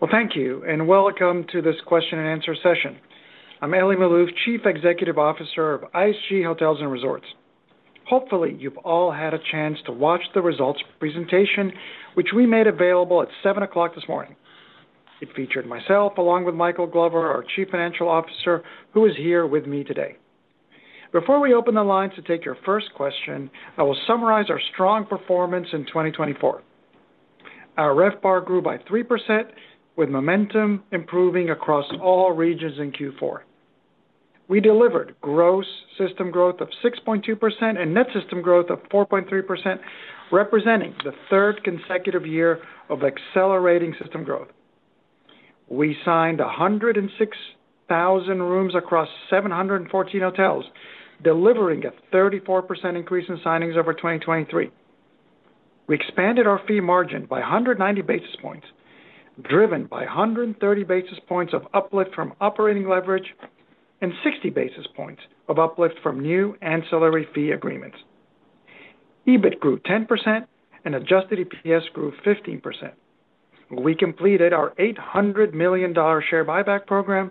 Well, thank you, and welcome to this Q&A session. I'm Elie Maalouf, Chief Executive Officer of IHG Hotels & Resorts. Hopefully, you've all had a chance to watch the results of the presentation, which we made available at 7:00 A.M. this morning. It featured myself along with Michael Glover, our Chief Financial Officer, who is here with me today. Before we open the lines to take your first question, I will summarize our strong performance in 2024. Our RevPAR grew by 3%, with momentum improving across all regions in Q4. We delivered gross system growth of 6.2% and net system growth of 4.3%, representing the third consecutive year of accelerating system growth. We signed 106,000 rooms across 714 hotels, delivering a 34% increase in signings over 2023. We expanded our fee margin by 190 basis points, driven by 130 basis points of uplift from operating leverage and 60 basis points of uplift from new ancillary fee agreements. EBIT grew 10%, and adjusted EPS grew 15%. We completed our $800 million share buyback program,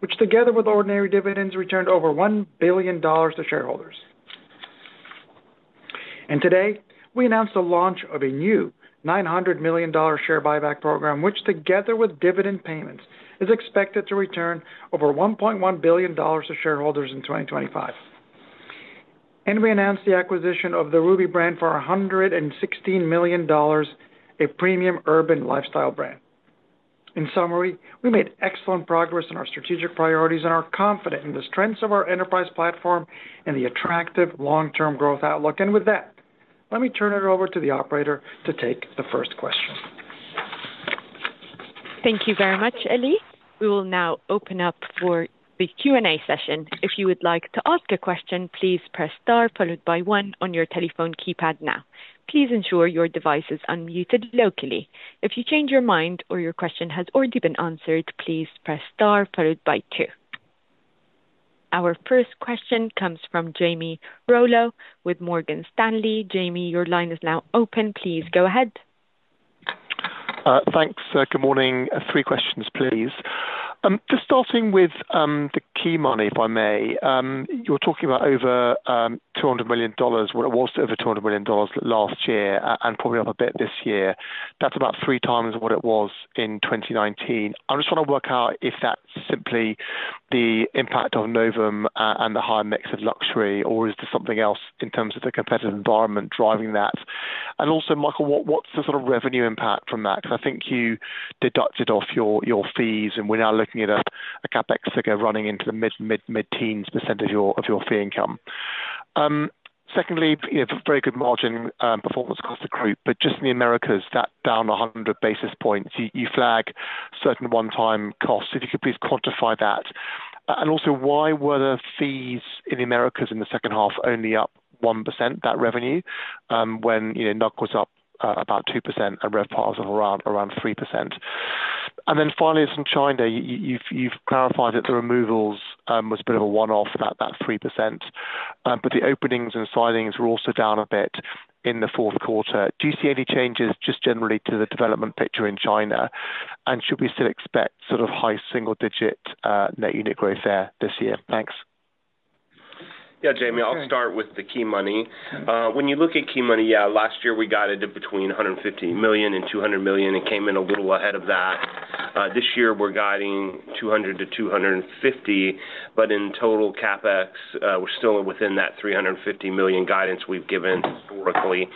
which, together with ordinary dividends, returned over $1 billion to shareholders. Today, we announced the launch of a new $900 million share buyback program, which, together with dividend payments, is expected to return over $1.1 billion to shareholders in 2025. We announced the acquisition of the Ruby brand for $116 million, a premium urban lifestyle brand. In summary, we made excellent progress in our strategic priorities and are confident in the strengths of our enterprise platform and the attractive long-term growth outlook. With that, let me turn it over to the operator to take the first question. Thank you very much, Elie. We will now open up for the Q&A session. If you would like to ask a question, please press star followed by one on your telephone keypad now. Please ensure your device is unmuted locally. If you change your mind or your question has already been answered, please press star followed by two. Our first question comes from Jamie Rollo with Morgan Stanley. Jamie, your line is now open. Please go ahead. Thanks. Good morning. Three questions, please. Just starting with the key money, if I may, you're talking about over $200 million, what it was over $200 million last year and probably up a bit this year. That's about three times what it was in 2019. I just want to work out if that's simply the impact of Novum and the high mix of luxury, or is there something else in terms of the competitive environment driving that? And also, Michael, what's the sort of revenue impact from that? Because I think you deducted off your fees, and we're now looking at a CapEx figure running into the mid-teens % of your fee income. Secondly, very good margin performance across the group, but just in the Americas, that down 100 basis points, you flag certain one-time costs. If you could please quantify that. Also, why were the fees in the Americas in the second half only up 1%, that revenue, when NUG was up about 2% and RevPAR was around 3%? Then finally, from China, you've clarified that the removals was a bit of a one-off, about that 3%, but the openings and signings were also down a bit in the fourth quarter. Do you see any changes just generally to the development picture in China, and should we still expect sort of high single-digit net unit growth there this year? Thanks. Yeah, Jamie, I'll start with the key money. When you look at key money, yeah, last year we guided it between $150 million and $200 million. It came in a little ahead of that. This year we're guiding $200 million-$250 million, but in total CapEx, we're still within that $350 million guidance we've given historically,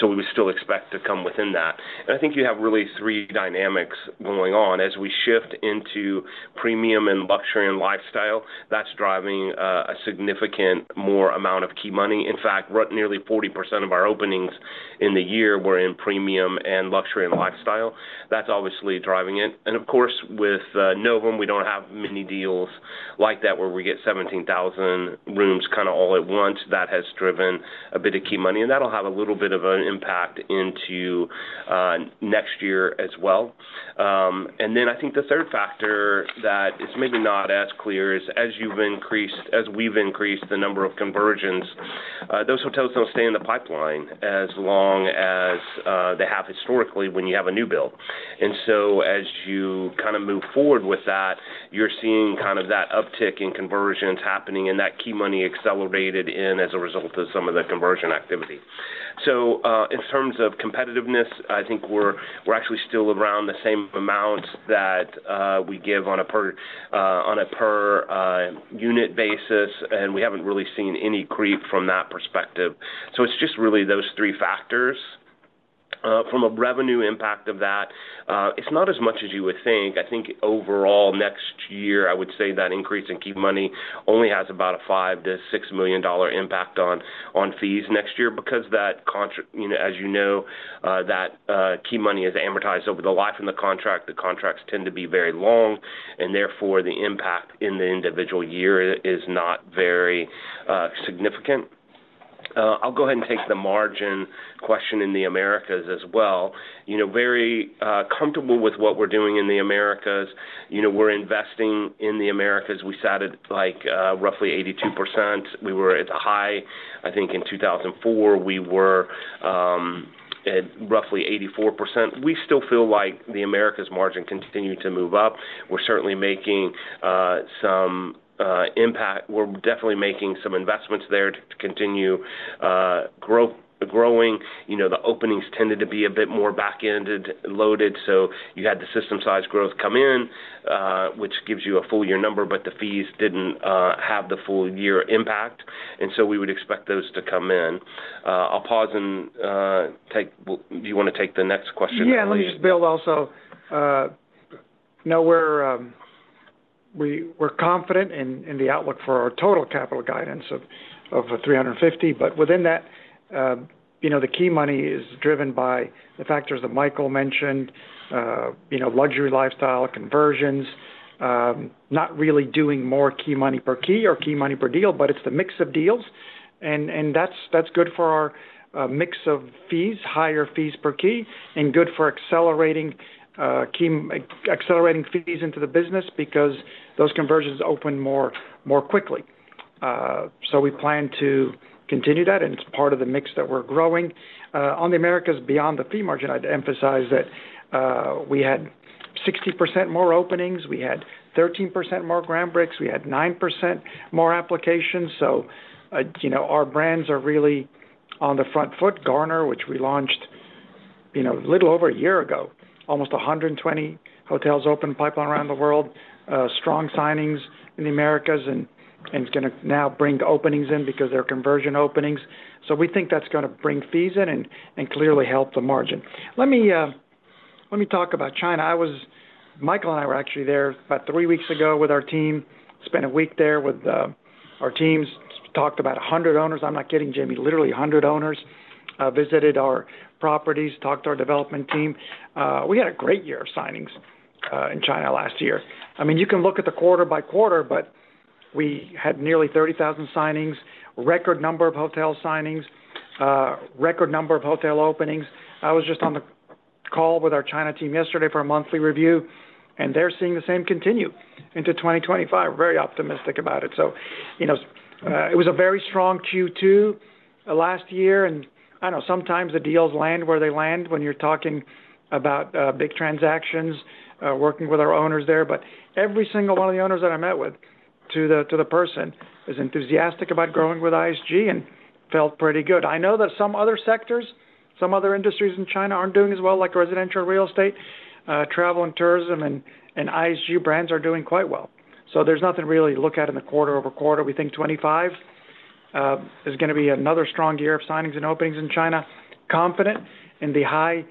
so we would still expect to come within that. And I think you have really three dynamics going on. As we shift into premium and luxury and lifestyle, that's driving a significant more amount of key money. In fact, nearly 40% of our openings in the year were in premium and luxury and lifestyle. That's obviously driving it. And of course, with Novum, we don't have many deals like that where we get 17,000 rooms kind of all at once. That has driven a bit of key money, and that'll have a little bit of an impact into next year as well. And then I think the third factor that is maybe not as clear is, as we've increased the number of conversions, those hotels don't stay in the pipeline as long as they have historically when you have a new build. And so as you kind of move forward with that, you're seeing kind of that uptick in conversions happening, and that key money accelerated in as a result of some of the conversion activity. So in terms of competitiveness, I think we're actually still around the same amounts that we give on a per-unit basis, and we haven't really seen any creep from that perspective. So it's just really those three factors. From a revenue impact of that, it's not as much as you would think. I think overall, next year, I would say that increase in key money only has about a $5 million-$6 million impact on fees next year because, as you know, that key money is amortized over the life of the contract. The contracts tend to be very long, and therefore the impact in the individual year is not very significant. I'll go ahead and take the margin question in the Americas as well. Very comfortable with what we're doing in the Americas. We're investing in the Americas. We sat at roughly 82%. We were at the high, I think, in 2004. We were at roughly 84%. We still feel like the Americas margin continued to move up. We're certainly making some impact. We're definitely making some investments there to continue growing. The openings tended to be a bit more back-ended, loaded, so you had the system-size growth come in, which gives you a full year number, but the fees didn't have the full year impact, and so we would expect those to come in. I'll pause and take. Do you want to take the next question? Yeah, let me just build also. Now, we're confident in the outlook for our total capital guidance of $350 million, but within that, the key money is driven by the factors that Michael mentioned: luxury lifestyle, conversions, not really doing more key money per key or key money per deal, but it's the mix of deals. And that's good for our mix of fees, higher fees per key, and good for accelerating fees into the business because those conversions open more quickly. So we plan to continue that, and it's part of the mix that we're growing. On the Americas beyond the fee margin, I'd emphasize that we had 60% more openings. We had 13% more ground breaks. We had 9% more applications. So our brands are really on the front foot. Garner, which we launched a little over a year ago, almost 120 hotels open pipeline around the world, strong signings in the Americas, and it's going to now bring openings in because they're conversion openings. So we think that's going to bring fees in and clearly help the margin. Let me talk about China. Michael and I were actually there about three weeks ago with our team, spent a week there with our teams, talked about 100 owners. I'm not kidding, Jamie. Literally 100 owners, visited our properties, talked to our development team. We had a great year of signings in China last year. I mean, you can look at the quarter-by-quarter, but we had nearly 30,000 signings, record number of hotel signings, record number of hotel openings. I was just on the call with our China team yesterday for a monthly review, and they're seeing the same continue into 2025. Very optimistic about it, so it was a very strong Q2 last year. I don't know, sometimes the deals land where they land when you're talking about big transactions, working with our owners there. Every single one of the owners that I met with, to the person, is enthusiastic about growing with IHG and felt pretty good. I know that some other sectors, some other industries in China aren't doing as well, like residential real estate, travel, and tourism, and IHG brands are doing quite well. There's nothing really to look at in the quarter-over-quarter. We think 2025 is going to be another strong year of signings and openings in China. Confident in the high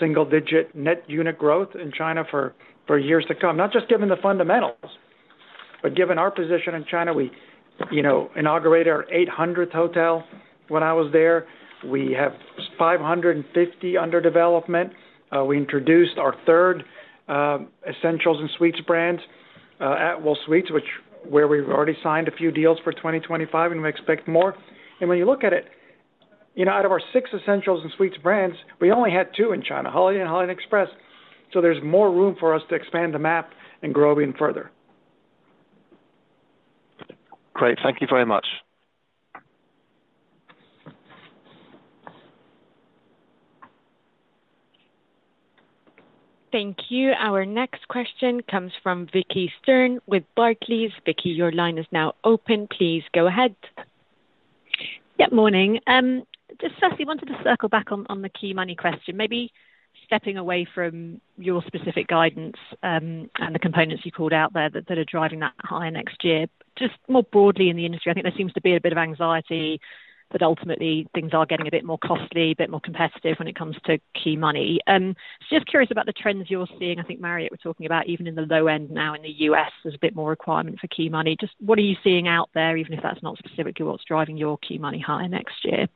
single-digit net unit growth in China for years to come. Not just given the fundamentals, but given our position in China. We inaugurated our 800th hotel when I was there. We have 550 under development. We introduced our third Essentials and Suites brand, Atwell Suites, where we've already signed a few deals for 2025, and we expect more. When you look at it, out of our six Essentials and Suites brands, we only had two in China: Holiday and Holiday Express. So there's more room for us to expand the map and grow even further. Great. Thank you very much. Thank you. Our next question comes from Vicki Stern with Barclays. Vicki, your line is now open. Please go ahead. Good morning. Just firstly, I wanted to circle back on the key money question, maybe stepping away from your specific guidance and the components you called out there that are driving that higher next year. Just more broadly in the industry, I think there seems to be a bit of anxiety that ultimately things are getting a bit more costly, a bit more competitive when it comes to key money. Just curious about the trends you're seeing. I think Marriott was talking about even in the low end now in the U.S., there's a bit more requirement for key money. Just what are you seeing out there, even if that's not specifically what's driving your key money higher next year?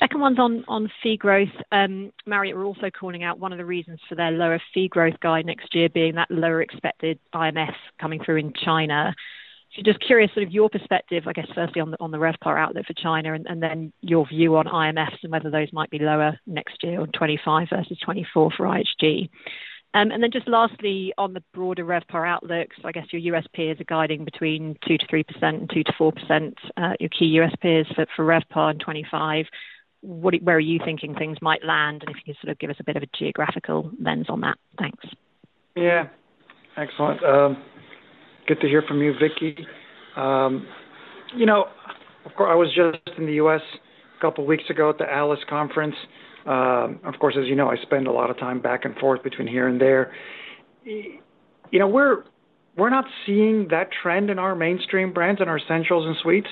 Second one's on fee growth. Marriott were also calling out one of the reasons for their lower fee growth guide next year being that lower expected IMFs coming through in China. So just curious sort of your perspective, I guess, firstly on the RevPAR outlook for China, and then your view on IMFs and whether those might be lower next year on 2025 versus 2024 for IHG. And then just lastly, on the broader RevPAR outlook, so I guess your US peers are guiding between 2%-3% and 2%-4%, your key U.S. peers for RevPAR in 2025. Where are you thinking things might land? And if you can sort of give us a bit of a geographical lens on that. Thanks. Yeah. Excellent. Good to hear from you, Vicki. I was just in the U.S. a couple of weeks ago at the ALIS Conference. Of course, as you know, I spend a lot of time back and forth between here and there. We're not seeing that trend in our mainstream brands, in our essentials and suites.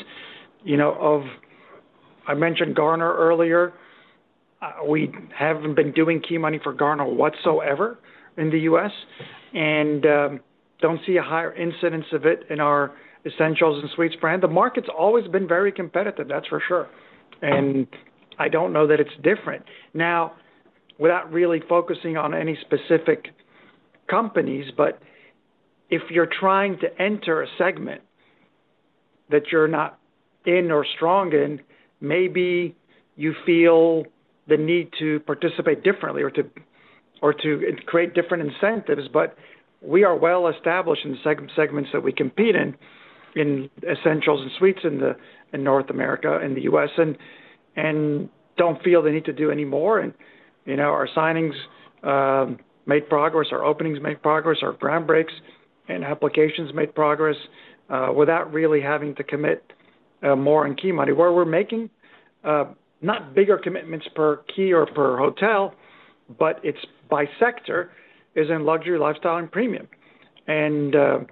I mentioned Garner earlier. We haven't been doing key money for Garner whatsoever in the U.S. and don't see a higher incidence of it in our essentials and suites brand. The market's always been very competitive, that's for sure. And I don't know that it's different. Now, without really focusing on any specific companies, but if you're trying to enter a segment that you're not in or strong in, maybe you feel the need to participate differently or to create different incentives. But we are well established in the segments that we compete in, in essentials and suites in North America and the U.S., and don't feel the need to do any more. And our signings made progress, our openings made progress, our ground breaks and applications made progress without really having to commit more in key money. Where we're making not bigger commitments per key or per hotel, but it's by sector, is in luxury, lifestyle, and premium. And that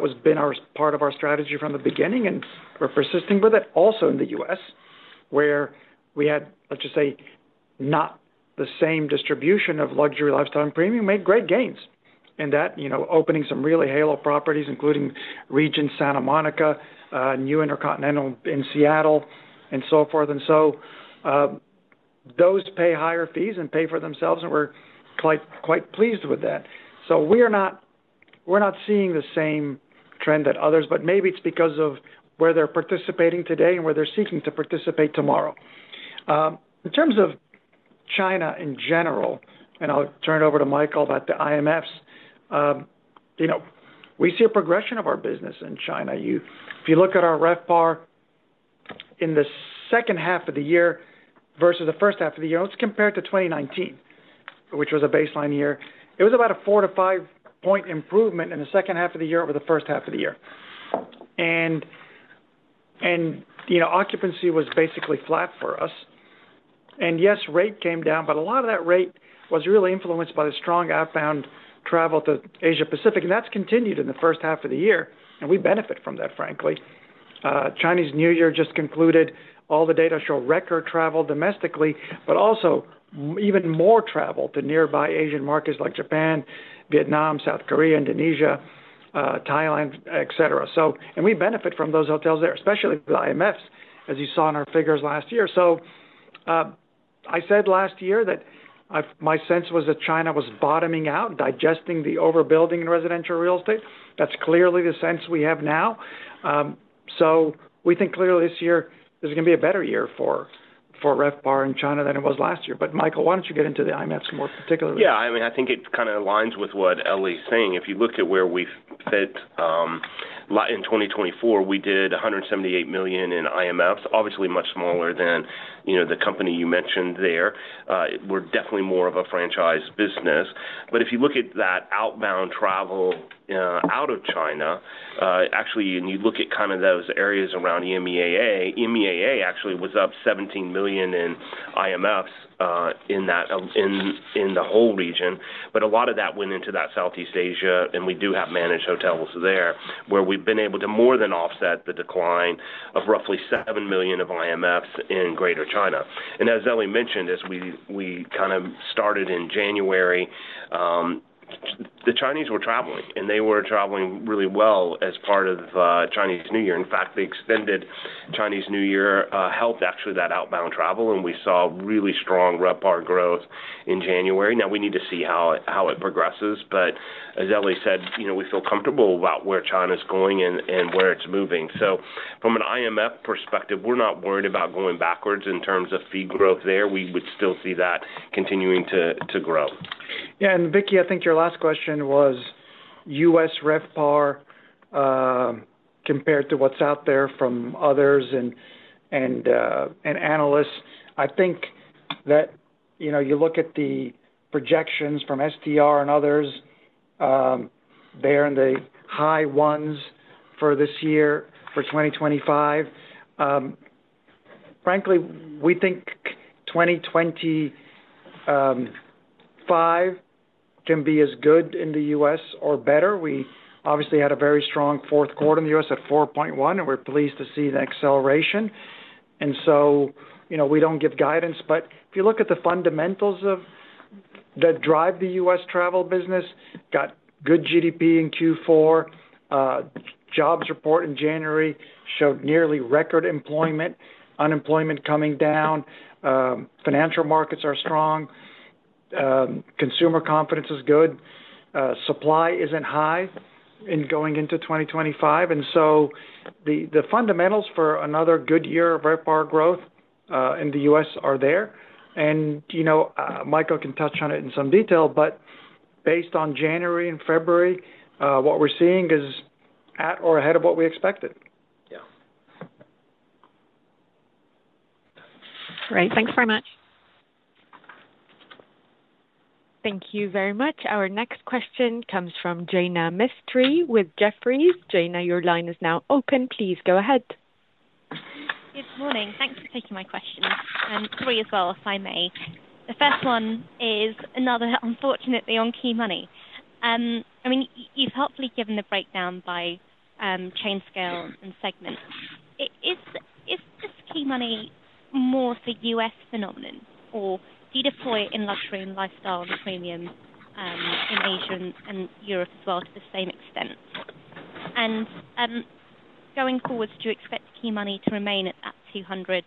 has been part of our strategy from the beginning, and we're persisting with it also in the U.S., where we had, let's just say, not the same distribution of luxury, lifestyle, and premium, made great gains in that opening some really halo properties, including Regent Santa Monica, New InterContinental in Seattle, and so forth. And so those pay higher fees and pay for themselves, and we're quite pleased with that. So we're not seeing the same trend that others, but maybe it's because of where they're participating today and where they're seeking to participate tomorrow. In terms of China in general, and I'll turn it over to Michael about the IMFs, we see a progression of our business in China. If you look at our RevPAR in the second half of the year versus the first half of the year, let's compare it to 2019, which was a baseline year. It was about a four- to five-point improvement in the second half of the year over the first half of the year. And occupancy was basically flat for us. And yes, rate came down, but a lot of that rate was really influenced by the strong outbound travel to Asia-Pacific, and that's continued in the first half of the year, and we benefit from that, frankly. Chinese New Year just concluded. All the data show record travel domestically, but also even more travel to nearby Asian markets like Japan, Vietnam, South Korea, Indonesia, Thailand, etc. And we benefit from those hotels there, especially the IMFs, as you saw in our figures last year. So I said last year that my sense was that China was bottoming out, digesting the overbuilding in residential real estate. That's clearly the sense we have now. So we think clearly this year is going to be a better year for RevPAR in China than it was last year. But Michael, why don't you get into the IMFs more particularly? Yeah. I mean, I think it kind of aligns with what Elie's saying. If you look at where we fit in 2024, we did $178 million in IMFs, obviously much smaller than the company you mentioned there. We're definitely more of a franchise business. But if you look at that outbound travel out of China, actually, and you look at kind of those areas around EMEAA, EMEAA actually was up $17 million in IMFs in the whole region. But a lot of that went into that Southeast Asia, and we do have managed hotels there where we've been able to more than offset the decline of roughly $7 million of IMFs in Greater China. And as Elie mentioned, as we kind of started in January, the Chinese were traveling, and they were traveling really well as part of Chinese New Year. In fact, the extended Chinese New Year helped actually that outbound travel, and we saw really strong RevPAR growth in January. Now, we need to see how it progresses. But as Elie said, we feel comfortable about where China's going and where it's moving. So from an IMF perspective, we're not worried about going backwards in terms of fee growth there. We would still see that continuing to grow. Yeah. And Vicki, I think your last question was U.S. RevPAR compared to what's out there from others and analysts. I think that you look at the projections from STR and others there and the high ones for this year, for 2025. Frankly, we think 2025 can be as good in the U.S. or better. We obviously had a very strong fourth quarter in the U.S. at 4.1%, and we're pleased to see the acceleration. And so we don't give guidance, but if you look at the fundamentals that drive the U.S. travel business, got good GDP in Q4. Jobs report in January showed nearly record employment, unemployment coming down. Financial markets are strong. Consumer confidence is good. Supply isn't high in going into 2025. And so the fundamentals for another good year of RevPAR growth in the U.S. are there. Michael can touch on it in some detail, but based on January and February, what we're seeing is at or ahead of what we expected. All right. Thanks very much. Thank you very much. Our next question comes from Jaina Mistry with Jefferies. Jaina, your line is now open. Please go ahead. Good morning. Thanks for taking my question. Three as well, if I may. The first one is another, unfortunately, on key money. I mean, you've hopefully given the breakdown by chain scale and segment. Is this key money more of a U.S. phenomenon, or do you deploy it in luxury and lifestyle and premium in Asia and Europe as well to the same extent? And going forward, do you expect key money to remain at that 200-250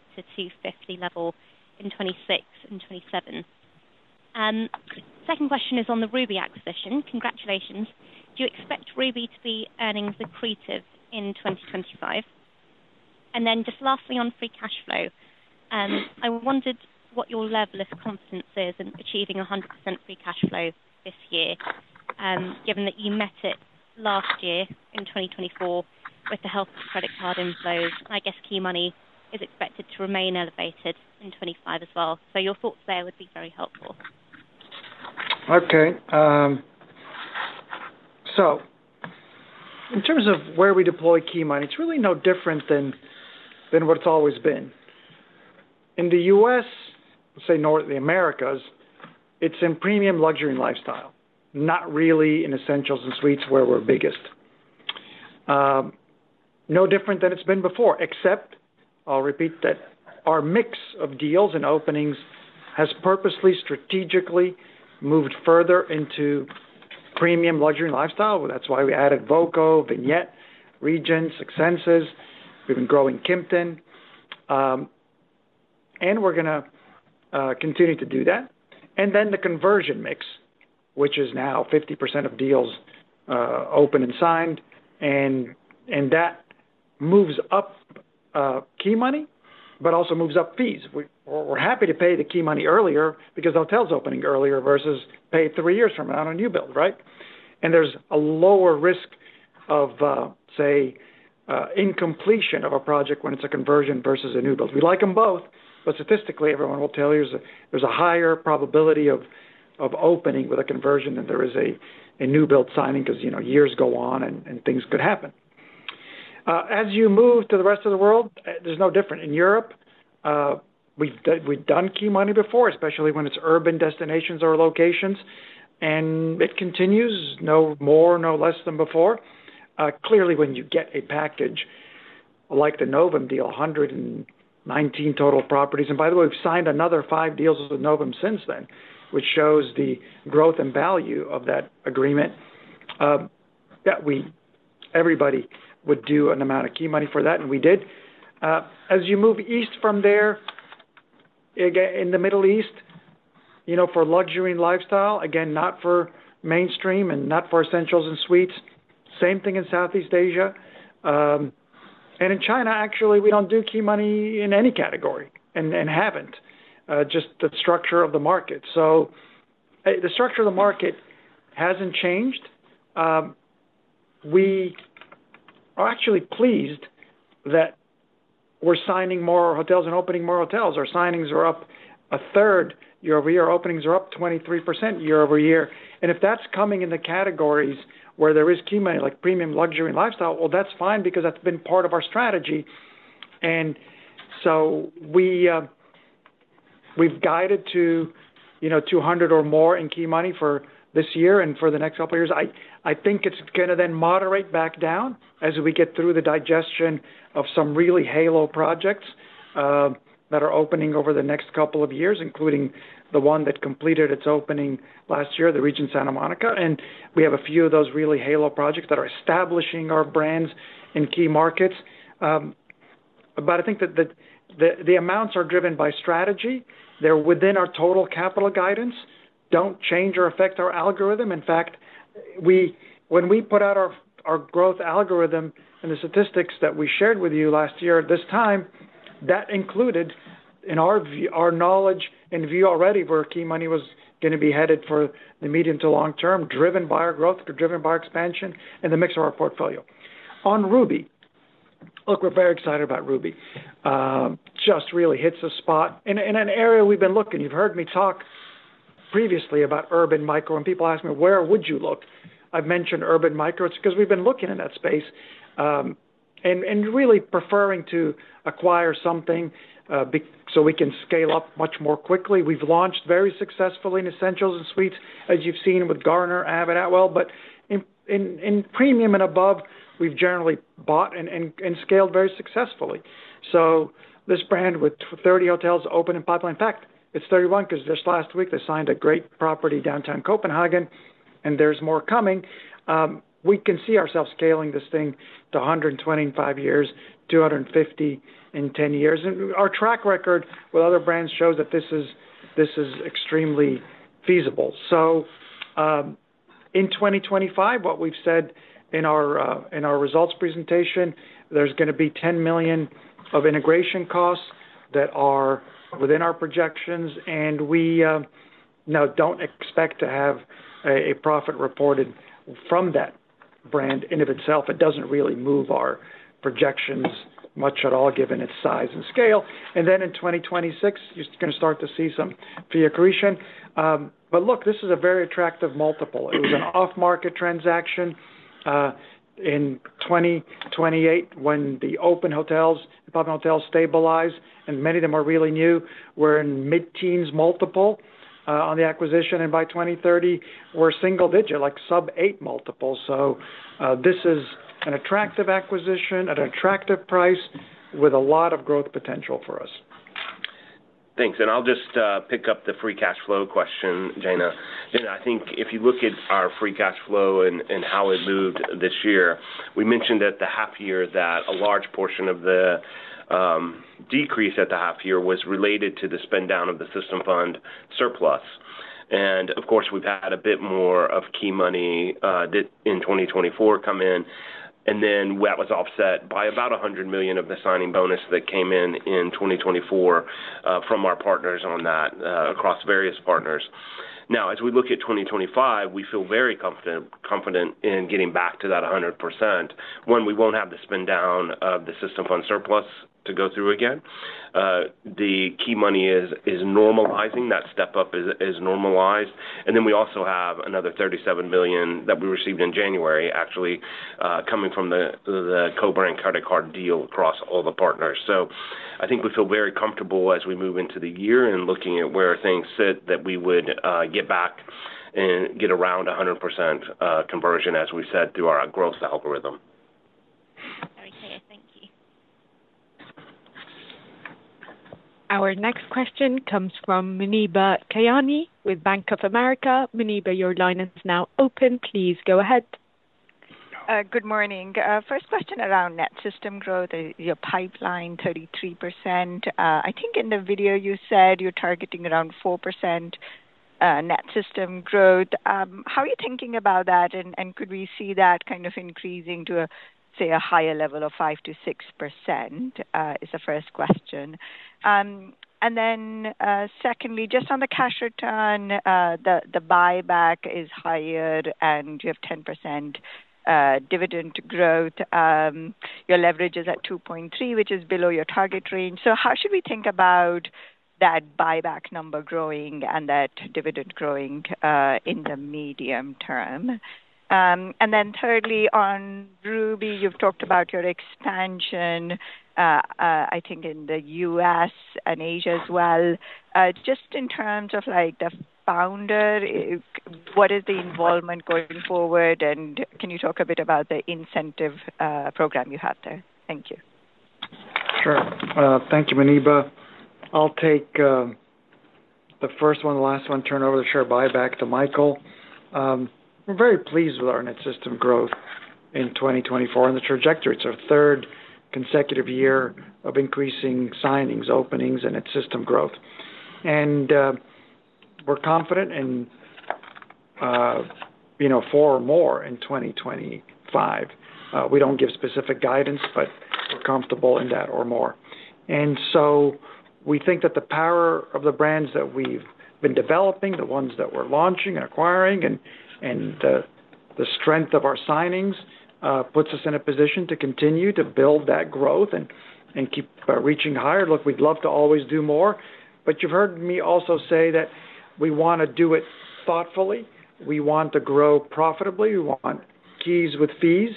level in 2026 and 2027? Second question is on the Ruby acquisition. Congratulations. Do you expect Ruby to be earning the incentive in 2025? And then just lastly on free cash flow, I wondered what your level of confidence is in achieving 100% free cash flow this year, given that you met it last year in 2024 with the help of credit card inflows. I guess key money is expected to remain elevated in 2025 as well. So your thoughts there would be very helpful. Okay. So in terms of where we deploy key money, it's really no different than what it's always been. In the U.S., say North America, it's in premium luxury and lifestyle, not really in essentials and suites where we're biggest. No different than it's been before, except I'll repeat that our mix of deals and openings has purposely strategically moved further into premium luxury and lifestyle. That's why we added Voco, Vignette, Regent, Six Senses. We've been growing Kimpton. And we're going to continue to do that. And then the conversion mix, which is now 50% of deals open and signed, and that moves up key money, but also moves up fees. We're happy to pay the key money earlier because the hotel's opening earlier versus pay three years from now on a new build, right? There's a lower risk of, say, incompletion of a project when it's a conversion versus a new build. We like them both, but statistically, everyone will tell you there's a higher probability of opening with a conversion than there is a new build signing because years go on and things could happen. As you move to the rest of the world, there's no different. In Europe, we've done key money before, especially when it's urban destinations or locations, and it continues no more, no less than before. Clearly, when you get a package like the Novum deal, 119 total properties. By the way, we've signed another five deals with Novum since then, which shows the growth and value of that agreement that everybody would do an amount of key money for that, and we did. As you move east from there, again, in the Middle East for luxury and lifestyle, again, not for mainstream and not for essentials and suites. Same thing in Southeast Asia. And in China, actually, we don't do key money in any category and haven't. Just the structure of the market. So the structure of the market hasn't changed. We are actually pleased that we're signing more hotels and opening more hotels. Our signings are up 1/3 year-over-year. Openings are up 23% year-over-year. And if that's coming in the categories where there is key money like premium luxury and lifestyle, well, that's fine because that's been part of our strategy. And so we've guided to 200 or more in key money for this year and for the next couple of years. I think it's going to then moderate back down as we get through the digestion of some really halo projects that are opening over the next couple of years, including the one that completed its opening last year, the Regent Santa Monica. And we have a few of those really halo projects that are establishing our brands in key markets. But I think that the amounts are driven by strategy. They're within our total capital guidance, don't change or affect our algorithm. In fact, when we put out our growth algorithm and the statistics that we shared with you last year at this time, that included in our knowledge and view already where key money was going to be headed for the medium to long term, driven by our growth, driven by expansion and the mix of our portfolio. On Ruby, look, we're very excited about Ruby. Just really hits the spot in an area we've been looking. You've heard me talk previously about urban micro, and people ask me, "Where would you look?" I've mentioned urban micro because we've been looking in that space and really preferring to acquire something so we can scale up much more quickly. We've launched very successfully in essentials and suites, as you've seen with Garner, Avid, Atwell. But in premium and above, we've generally bought and scaled very successfully. So this brand with 30 hotels open in pipeline. In fact, it's 31 because just last week, they signed a great property downtown Copenhagen, and there's more coming. We can see ourselves scaling this thing to 120 in five years, 250 in 10 years, and our track record with other brands shows that this is extremely feasible. So in 2025, what we've said in our results presentation, there's going to be $10 million of integration costs that are within our projections, and we now don't expect to have a profit reported from that brand in and of itself. It doesn't really move our projections much at all, given its size and scale. And then in 2026, you're just going to start to see some free accretion. But look, this is a very attractive multiple. It was an off-market transaction in 2028 when the open hotels, the public hotels stabilized, and many of them are really new. We're in mid-teens multiple on the acquisition, and by 2030, we're single-digit like sub-eight multiple. So this is an attractive acquisition at an attractive price with a lot of growth potential for us. Thanks. And I'll just pick up the free cash flow question, Jaina. Jaina, I think if you look at our free cash flow and how it moved this year, we mentioned at the half year that a large portion of the decrease at the half year was related to the spend down of the System Fund surplus. And of course, we've had a bit more of key money in 2024 come in, and then that was offset by about $100 million of the signing bonus that came in in 2024 from our partners on that across various partners. Now, as we look at 2025, we feel very confident in getting back to that 100% when we won't have the spend down of the System Fund surplus to go through again. The key money is normalizing. That step up is normalized. And then we also have another $37 million that we received in January, actually coming from the co-brand credit card deal across all the partners. So I think we feel very comfortable as we move into the year and looking at where things sit that we would get back and get around 100% conversion, as we said, through our growth algorithm. Okay. Thank you. Our next question comes from Muneeba Kayani with Bank of America. Muneeba, your line is now open. Please go ahead. Good morning. First question around net system growth, your pipeline 33%. I think in the video you said you're targeting around 4% net system growth. How are you thinking about that? And could we see that kind of increasing to, say, a higher level of 5%-6% is the first question. And then secondly, just on the cash return, the buyback is higher, and you have 10% dividend growth. Your leverage is at 2.3x, which is below your target range. So how should we think about that buyback number growing and that dividend growing in the medium term? And then thirdly, on Ruby, you've talked about your expansion, I think, in the U.S. and Asia as well. Just in terms of the founder, what is the involvement going forward? And can you talk a bit about the incentive program you have there? Thank you. Sure. Thank you, Muneeba. I'll take the first one, the last one, turn over the share buyback to Michael. We're very pleased with our net system growth in 2024 and the trajectory. It's our third consecutive year of increasing signings, openings, and net system growth. And we're confident in four or more in 2025. We don't give specific guidance, but we're comfortable in that or more. And so we think that the power of the brands that we've been developing, the ones that we're launching and acquiring, and the strength of our signings puts us in a position to continue to build that growth and keep reaching higher. Look, we'd love to always do more, but you've heard me also say that we want to do it thoughtfully. We want to grow profitably. We want keys with fees.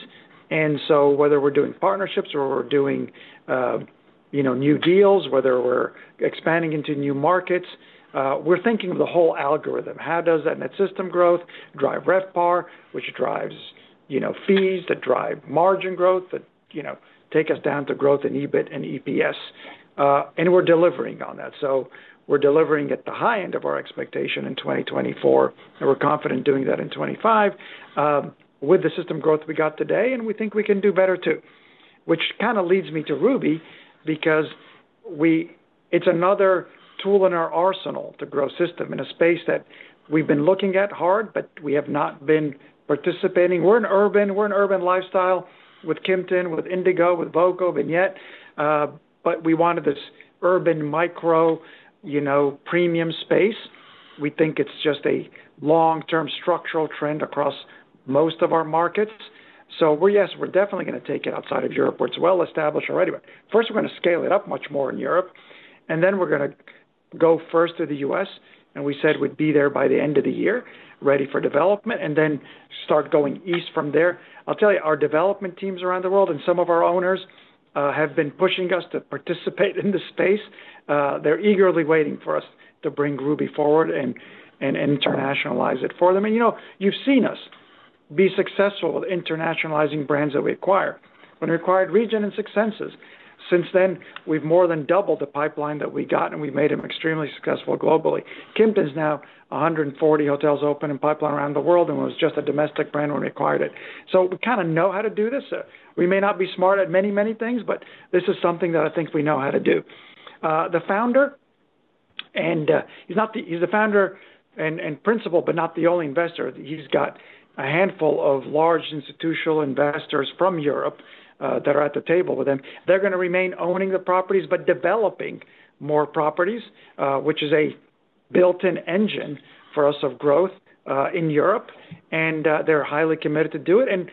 Whether we're doing partnerships or we're doing new deals, whether we're expanding into new markets, we're thinking of the whole algorithm. How does that net system growth drive RevPAR, which drives fees that drive margin growth that take us down to growth in EBIT and EPS? We're delivering on that. We're delivering at the high end of our expectation in 2024, and we're confident doing that in 2025 with the system growth we got today, and we think we can do better too. Which kind of leads me to Ruby because it's another tool in our arsenal to grow system in a space that we've been looking at hard, but we have not been participating. We're an urban lifestyle with Kimpton, with Indigo, with Voco, Vignette, but we wanted this urban micro premium space. We think it's just a long-term structural trend across most of our markets. So yes, we're definitely going to take it outside of Europe. It's well established already. But first, we're going to scale it up much more in Europe, and then we're going to go first to the U.S., and we said we'd be there by the end of the year ready for development and then start going east from there. I'll tell you, our development teams around the world and some of our owners have been pushing us to participate in the space. They're eagerly waiting for us to bring Ruby forward and internationalize it for them. And you've seen us be successful with internationalizing brands that we acquired when we acquired Regent and Six Senses. Since then, we've more than doubled the pipeline that we got, and we've made them extremely successful globally. Kimpton's now 140 hotels open in pipeline around the world, and it was just a domestic brand when we acquired it, so we kind of know how to do this. We may not be smart at many, many things, but this is something that I think we know how to do. The founder, and he's the founder and principal, but not the only investor. He's got a handful of large institutional investors from Europe that are at the table with him. They're going to remain owning the properties but developing more properties, which is a built-in engine for us of growth in Europe, and they're highly committed to do it, and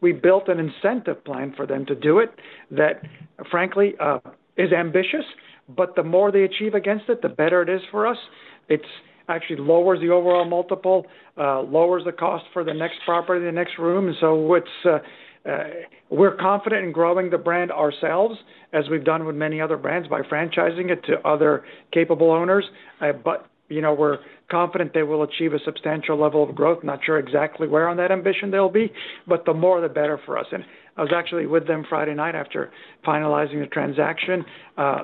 we built an incentive plan for them to do it that, frankly, is ambitious, but the more they achieve against it, the better it is for us. It actually lowers the overall multiple, lowers the cost for the next property, the next room, and so we're confident in growing the brand ourselves, as we've done with many other brands by franchising it to other capable owners, but we're confident they will achieve a substantial level of growth. Not sure exactly where on that ambition they'll be, but the more, the better for us, and I was actually with them Friday night after finalizing the transaction.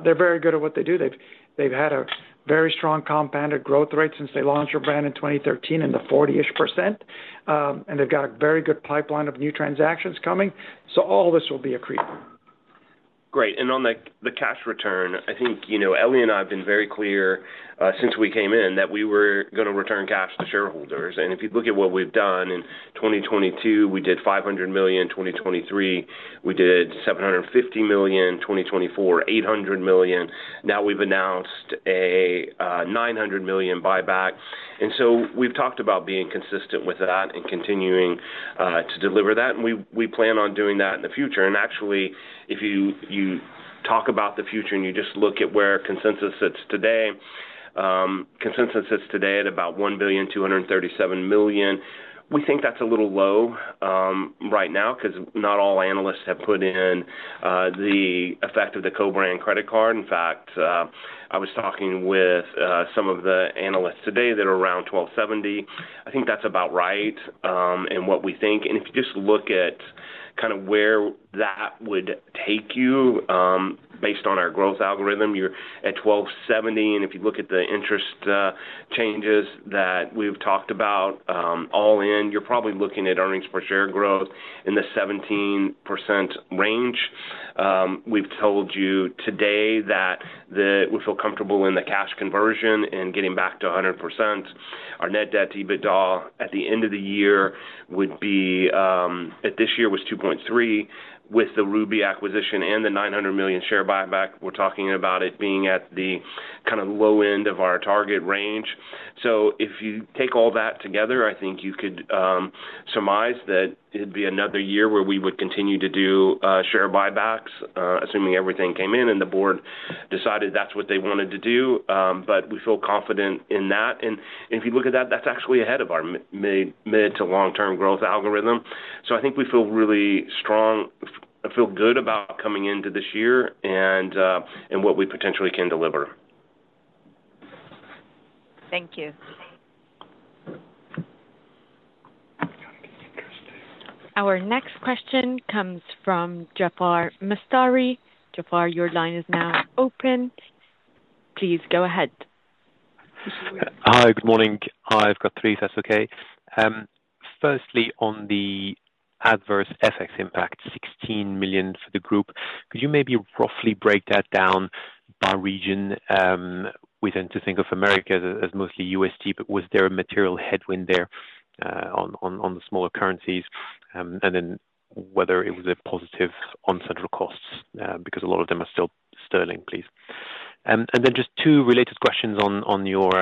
They're very good at what they do. They've had a very strong compounded growth rate since they launched their brand in 2013 in the 40-ish%, and they've got a very good pipeline of new transactions coming, so all this will be accretive. Great. And on the cash return, I think Elie and I have been very clear since we came in that we were going to return cash to shareholders. And if you look at what we've done in 2022, we did $500 million. In 2023, we did $750 million. In 2024, $800 million. Now we've announced a $900 million buyback. And so we've talked about being consistent with that and continuing to deliver that. And we plan on doing that in the future. And actually, if you talk about the future and you just look at where consensus sits today, consensus sits today at about $1.237 billion. We think that's a little low right now because not all analysts have put in the effect of the co-brand credit card. In fact, I was talking with some of the analysts today that are around 1,270. I think that's about right in what we think. And if you just look at kind of where that would take you based on our growth algorithm, you're at 1,270. And if you look at the interest changes that we've talked about, all in, you're probably looking at earnings per share growth in the 17% range. We've told you today that we feel comfortable in the cash conversion and getting back to 100%. Our net debt to EBITDA at the end of the year would be 2.3x. This year was 2.3x. With the Ruby acquisition and the $900 million share buyback, we're talking about it being at the kind of low end of our target range. So if you take all that together, I think you could surmise that it'd be another year where we would continue to do share buybacks, assuming everything came in and the board decided that's what they wanted to do. But we feel confident in that. And if you look at that, that's actually ahead of our mid to long-term growth algorithm. So I think we feel really strong. I feel good about coming into this year and what we potentially can deliver. Thank you. Our next question comes from Jaafar Mestari. Jaafar, your line is now open. Please go ahead. Hi, good morning. Hi, I've got three if that's okay. Firstly, on the adverse FX impact, $16 million for the group. Could you maybe roughly break that down by region? We tend to think of Americas as mostly USD, but was there a material headwind there on the smaller currencies? And then whether it was a positive on central costs because a lot of them are still sterling, please. And then just two related questions on your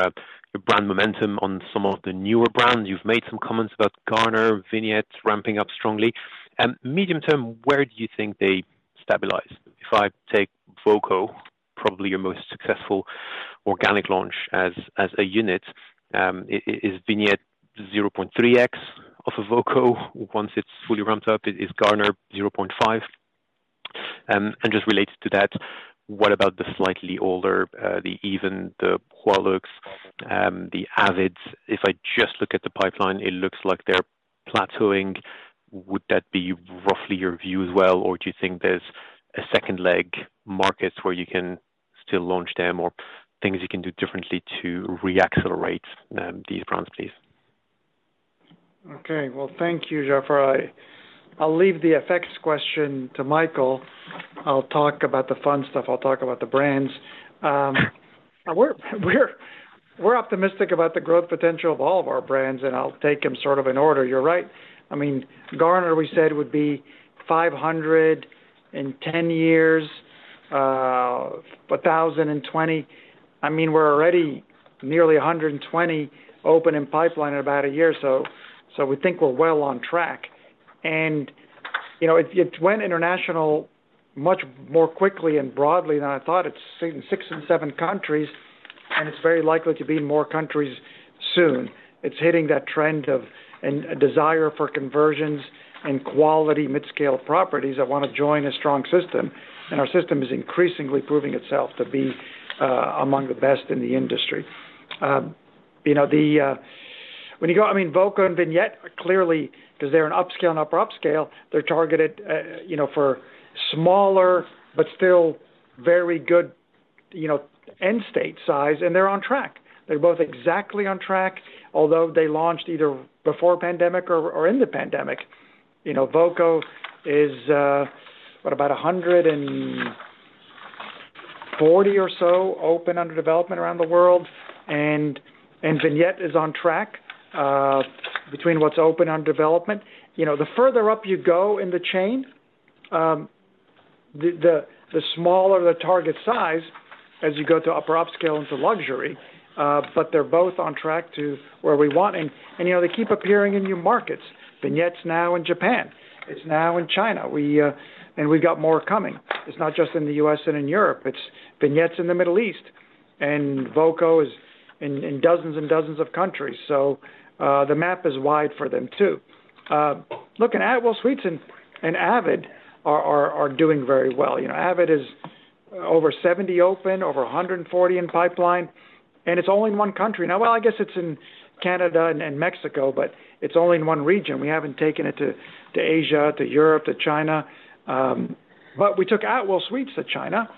brand momentum on some of the newer brands. You've made some comments about Garner, Vignette ramping up strongly. Medium term, where do you think they stabilize? If I take Voco, probably your most successful organic launch as a unit, is Vignette 0.3x off of Voco once it's fully ramped up? Is Garner 0.5x? And just related to that, what about the slightly older Even, the HUALUXE, the Avids? If I just look at the pipeline, it looks like they're plateauing. Would that be roughly your view as well, or do you think there's a second leg market where you can still launch them or things you can do differently to reaccelerate these brands, please? Okay. Well, thank you, Jaafar. I'll leave the FX question to Michael. I'll talk about the fun stuff. I'll talk about the brands. We're optimistic about the growth potential of all of our brands, and I'll take them sort of in order. You're right. I mean, Garner, we said would be 5-10 years, 10-20. I mean, we're already nearly 120 open in pipeline in about a year. So we think we're well on track. And it went international much more quickly and broadly than I thought. It's six and seven countries, and it's very likely to be in more countries soon. It's hitting that trend of a desire for conversions and quality mid-scale properties that want to join a strong system. And our system is increasingly proving itself to be among the best in the industry. When you go, I mean, Voco and Vignette are clearly, because they're an upscale and upper upscale, they're targeted for smaller, but still very good end state size, and they're on track. They're both exactly on track, although they launched either before pandemic or in the pandemic. Voco is, what, about 140 or so open under development around the world, and Vignette is on track between what's open under development. The further up you go in the chain, the smaller the target size as you go to upper upscale into luxury, but they're both on track to where we want, and they keep appearing in new markets. Vignette's now in Japan. It's now in China, and we've got more coming. It's not just in the U.S. and in Europe. It's Vignette's in the Middle East, and Voco is in dozens and dozens of countries. So the map is wide for them too. Look at Atwell Suites and Avid are doing very well. Avid is over 70 open, over 140 in pipeline, and it's only in one country. Now, well, I guess it's in Canada and Mexico, but it's only in one region. We haven't taken it to Asia, to Europe, to China. But we took Atwell Suites to China,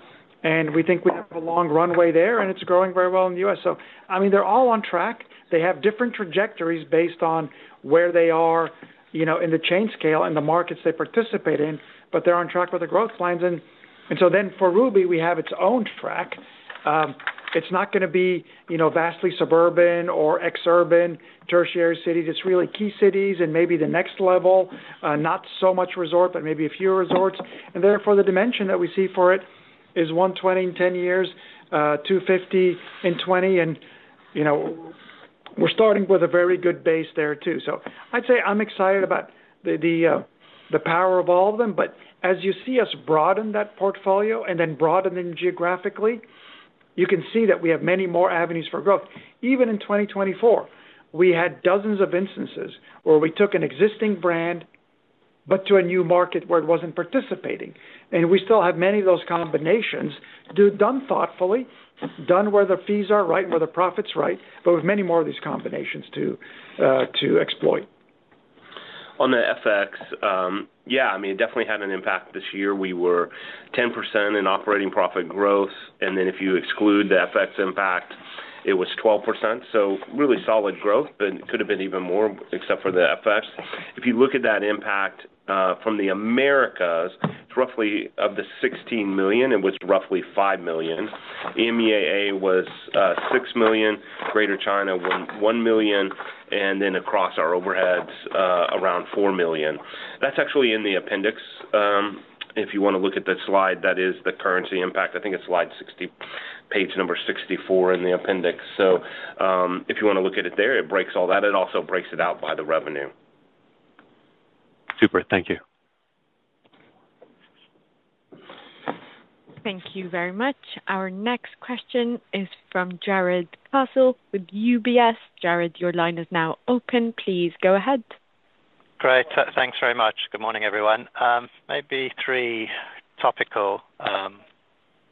and we think we have a long runway there, and it's growing very well in the U.S. So, I mean, they're all on track. They have different trajectories based on where they are in the chain scale and the markets they participate in, but they're on track with the growth plans, and so then for Ruby, we have its own track. It's not going to be vastly suburban or exurban tertiary cities. It's really key cities and maybe the next level, not so much resort, but maybe a few resorts. And therefore, the dimension that we see for it is 120 in 10 years, 250 in 20, and we're starting with a very good base there too. So I'd say I'm excited about the power of all of them. But as you see us broaden that portfolio and then broaden them geographically, you can see that we have many more avenues for growth. Even in 2024, we had dozens of instances where we took an existing brand, but to a new market where it wasn't participating. And we still have many of those combinations done thoughtfully, done where the fees are right and where the profit's right, but with many more of these combinations to exploit. On the FX, yeah, I mean, it definitely had an impact this year. We were 10% in operating profit growth, and then if you exclude the FX impact, it was 12%. So really solid growth, but it could have been even more except for the FX. If you look at that impact from the Americas, it's roughly of the $16 million, it was roughly $5 million. EMEAA was $6 million, Greater China $1 million, and then across our overheads, around $4 million. That's actually in the appendix. If you want to look at the slide, that is the currency impact. I think it's slide 60, page number 64 in the appendix. So if you want to look at it there, it breaks all that. It also breaks it out by the revenue. Super. Thank you. Thank you very much. Our next question is from Jarrod Castle with UBS. Jarrod, your line is now open. Please go ahead. Great. Thanks very much. Good morning, everyone. Maybe three topical kind of questions.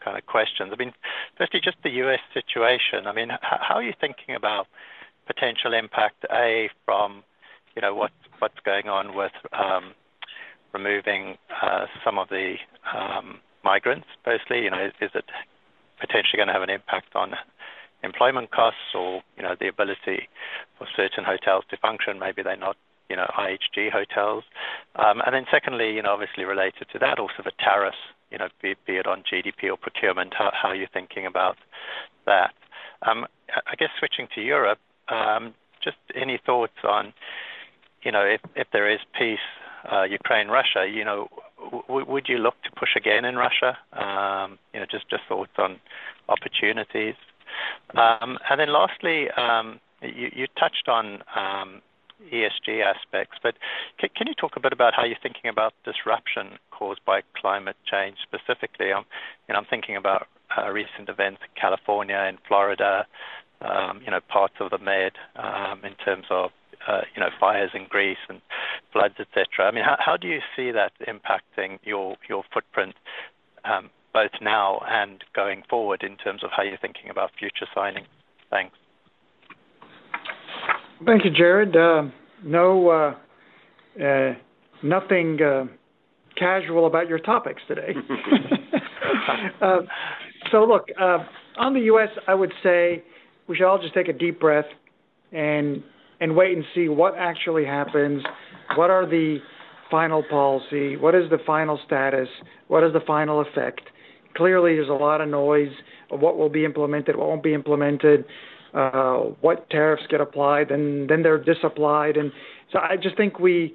I mean, firstly, just the U.S. situation. I mean, how are you thinking about potential impact from what's going on with removing some of the migrants mostly? Is it potentially going to have an impact on employment costs or the ability for certain hotels to function? Maybe they're not IHG hotels. And then secondly, obviously related to that, also the tariffs, be it on GDP or procurement, how are you thinking about that? I guess switching to Europe, just any thoughts on if there is peace, Ukraine, Russia, would you look to push again in Russia? Just thoughts on opportunities. And then lastly, you touched on ESG aspects, but can you talk a bit about how you're thinking about disruption caused by climate change specifically? I'm thinking about recent events in California and Florida, parts of the Med in terms of fires in Greece and floods, etc. I mean, how do you see that impacting your footprint both now and going forward in terms of how you're thinking about future signings? Thanks. Thank you, Jarrod. Nothing casual about your topics today. So look, on the U.S., I would say we should all just take a deep breath and wait and see what actually happens. What are the final policy? What is the final status? What is the final effect? Clearly, there's a lot of noise of what will be implemented, what won't be implemented, what tariffs get applied, and then they're disapplied. And so I just think we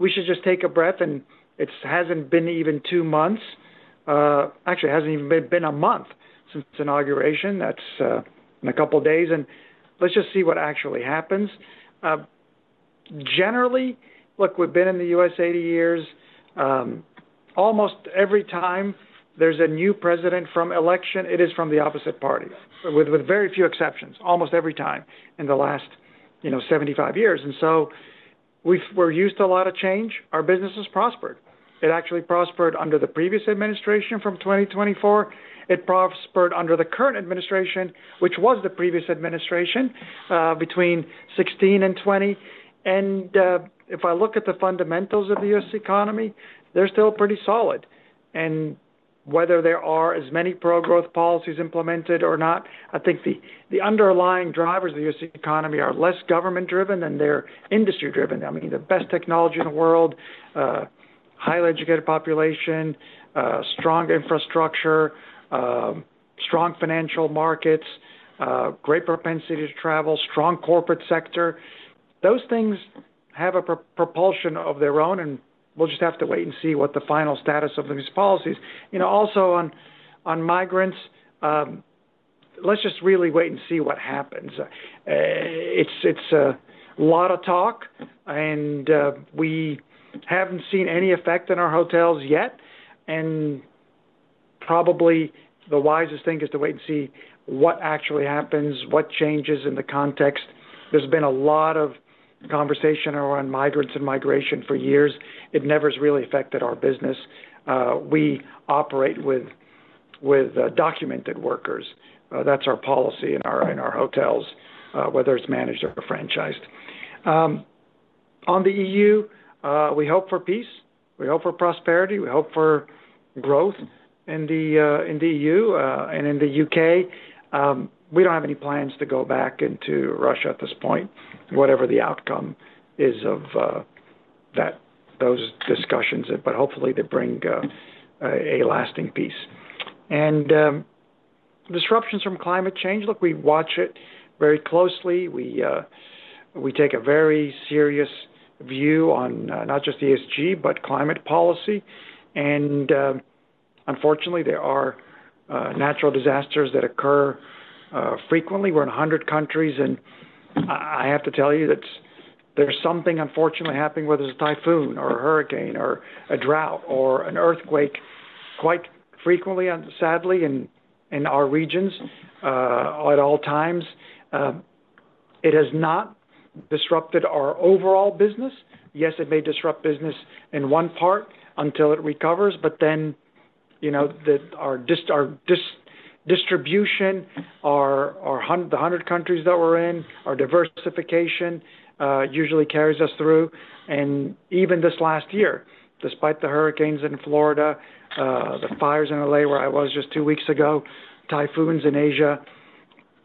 should just take a breath, and it hasn't been even two months. Actually, it hasn't even been a month since inauguration. That's in a couple of days. And let's just see what actually happens. Generally, look, we've been in the U.S. 80 years. Almost every time there's a new president from election, it is from the opposite party, with very few exceptions, almost every time in the last 75 years. We're used to a lot of change. Our business has prospered. It actually prospered under the previous administration from 2024. It prospered under the current administration, which was the previous administration between 2016 and 2020. If I look at the fundamentals of the U.S. economy, they're still pretty solid. Whether there are as many pro-growth policies implemented or not, I think the underlying drivers of the U.S. economy are less government-driven than they're industry-driven. I mean, the best technology in the world, highly educated population, strong infrastructure, strong financial markets, great propensity to travel, strong corporate sector. Those things have a propulsion of their own, and we'll just have to wait and see what the final status of these policies. Also, on migrants, let's just really wait and see what happens. It's a lot of talk, and we haven't seen any effect in our hotels yet. Probably the wisest thing is to wait and see what actually happens, what changes in the context. There's been a lot of conversation around migrants and migration for years. It never has really affected our business. We operate with documented workers. That's our policy in our hotels, whether it's managed or franchised. On the E.U., we hope for peace. We hope for prosperity. We hope for growth in the E.U. and in the U.K. We don't have any plans to go back into Russia at this point, whatever the outcome is of those discussions, but hopefully they bring a lasting peace. And disruptions from climate change, look, we watch it very closely. We take a very serious view on not just ESG, but climate policy. And unfortunately, there are natural disasters that occur frequently. We're in 100 countries, and I have to tell you that there's something unfortunately happening, whether it's a typhoon or a hurricane or a drought or an earthquake quite frequently, sadly, in our regions at all times. It has not disrupted our overall business. Yes, it may disrupt business in one part until it recovers, but then our distribution, the 100 countries that we're in, our diversification usually carries us through. And even this last year, despite the hurricanes in Florida, the fires in LA where I was just two weeks ago, typhoons in Asia,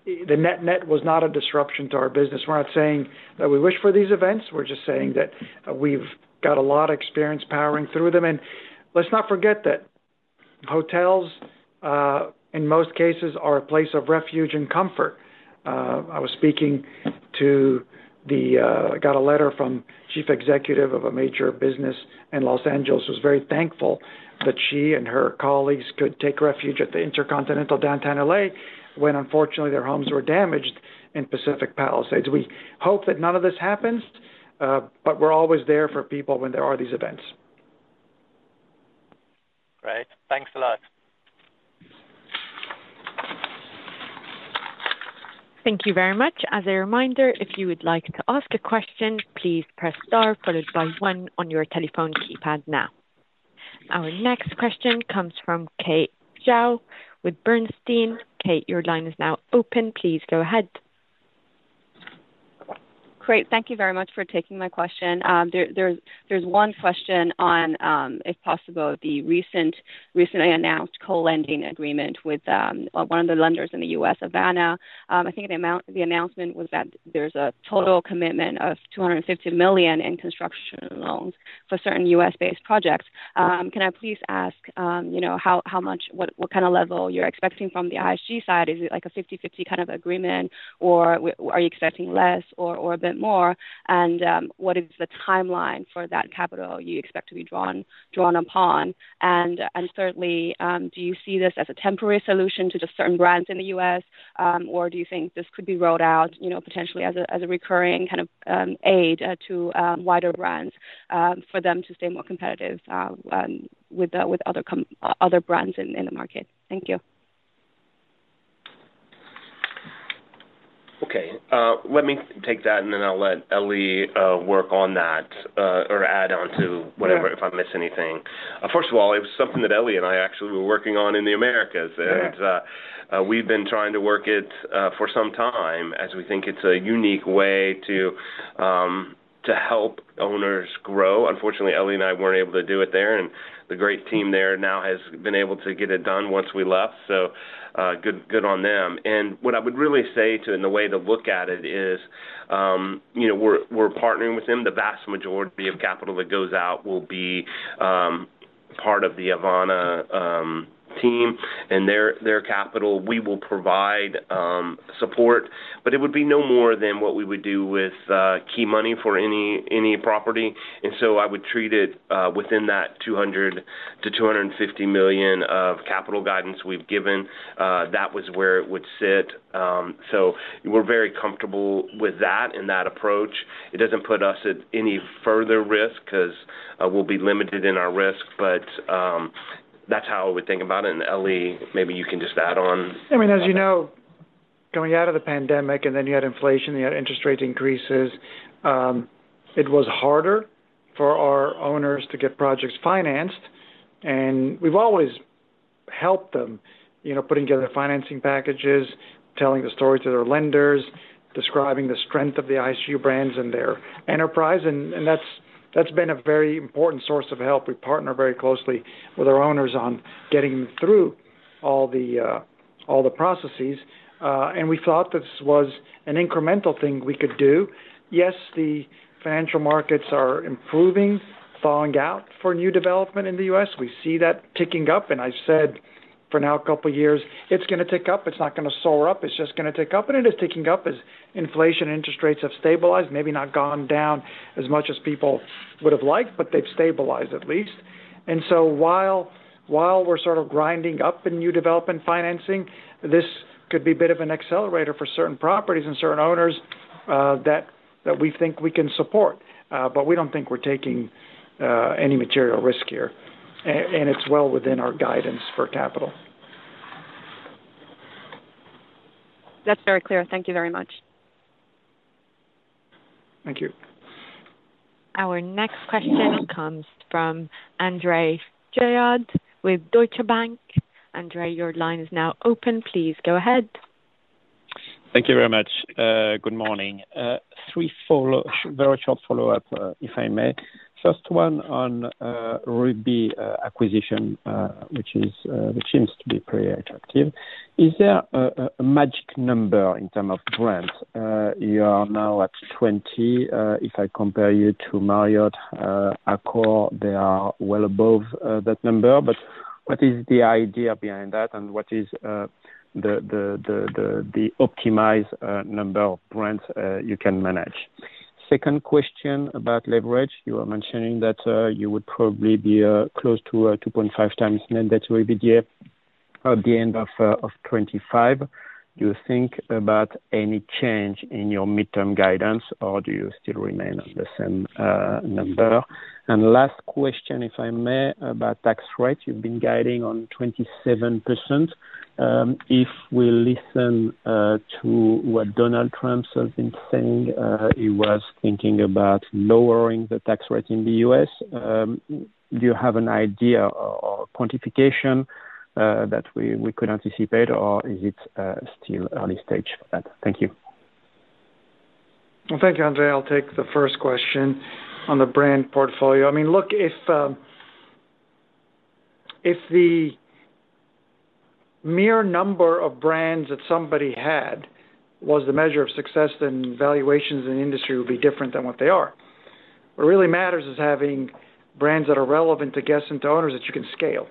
the net-net was not a disruption to our business. We're not saying that we wish for these events. We're just saying that we've got a lot of experience powering through them. And let's not forget that hotels, in most cases, are a place of refuge and comfort. I got a letter from the Chief Executive of a major business in Los Angeles. She was very thankful that she and her colleagues could take refuge at the InterContinental downtown LA when, unfortunately, their homes were damaged in Pacific Palisades. We hope that none of this happens, but we're always there for people when there are these events. Great. Thanks a lot. Thank you very much. As a reminder, if you would like to ask a question, please press star followed by one on your telephone keypad now. Our next question comes from Kate Xiao with Bernstein. Kate, your line is now open. Please go ahead. Great. Thank you very much for taking my question. There's one question on, if possible, the recently announced co-lending agreement with one of the lenders in the U.S., Havana. I think the announcement was that there's a total commitment of $250 million in construction loans for certain U.S.-based projects. Can I please ask how much, what kind of level you're expecting from the IHG side? Is it like a 50/50 kind of agreement, or are you expecting less or a bit more? And what is the timeline for that capital you expect to be drawn upon? And thirdly, do you see this as a temporary solution to just certain brands in the U.S., or do you think this could be rolled out potentially as a recurring kind of aid to wider brands for them to stay more competitive with other brands in the market? Thank you. Okay. Let me take that, and then I'll let Elie work on that or add on to whatever if I miss anything. First of all, it was something that Elie and I actually were working on in the Americas, and we've been trying to work it for some time as we think it's a unique way to help owners grow. Unfortunately, Elie and I weren't able to do it there, and the great team there now has been able to get it done once we left. So good on them, and what I would really say to in the way to look at it is we're partnering with them. The vast majority of capital that goes out will be part of the Havana team, and their capital, we will provide support, but it would be no more than what we would do with key money for any property. And so I would treat it within that $200 million-$250 million of capital guidance we've given. That was where it would sit. So we're very comfortable with that and that approach. It doesn't put us at any further risk because we'll be limited in our risk, but that's how I would think about it. And Elie, maybe you can just add on. I mean, as you know, going out of the pandemic, and then you had inflation, you had interest rate increases. It was harder for our owners to get projects financed, and we've always helped them putting together financing packages, telling the stories to their lenders, describing the strength of the IHG brands and their enterprise. And that's been a very important source of help. We partner very closely with our owners on getting them through all the processes. And we thought this was an incremental thing we could do. Yes, the financial markets are improving, thawing out for new development in the U.S. We see that ticking up. And I've said for now a couple of years, it's going to tick up. It's not going to soar up. It's just going to tick up. And it is ticking up as inflation and interest rates have stabilized, maybe not gone down as much as people would have liked, but they've stabilized at least. And so while we're sort of grinding up in new development financing, this could be a bit of an accelerator for certain properties and certain owners that we think we can support. But we don't think we're taking any material risk here, and it's well within our guidance for capital. That's very clear. Thank you very much. Thank you. Our next question comes from Andre Juillard with Deutsche Bank. Andre, your line is now open. Please go ahead. Thank you very much. Good morning. Three very short follow-ups, if I may. First one on Ruby acquisition, which seems to be pretty attractive. Is there a magic number in terms of brands? You are now at 20. If I compare you to Marriott, Accor, they are well above that number. But what is the idea behind that, and what is the optimized number of brands you can manage? Second question about leverage. You were mentioning that you would probably be close to 2.5x net debt to EBITDA at the end of 2025. Do you think about any change in your midterm guidance, or do you still remain on the same number? And last question, if I may, about tax rates. You've been guiding on 27%. If we listen to what Donald Trump has been saying, he was thinking about lowering the tax rate in the US. Do you have an idea or quantification that we could anticipate, or is it still early stage for that? Thank you. Thank you, Andre. I'll take the first question on the brand portfolio. I mean, look, if the mere number of brands that somebody had was the measure of success, then valuations in the industry would be different than what they are. What really matters is having brands that are relevant to guests and to owners that you can scale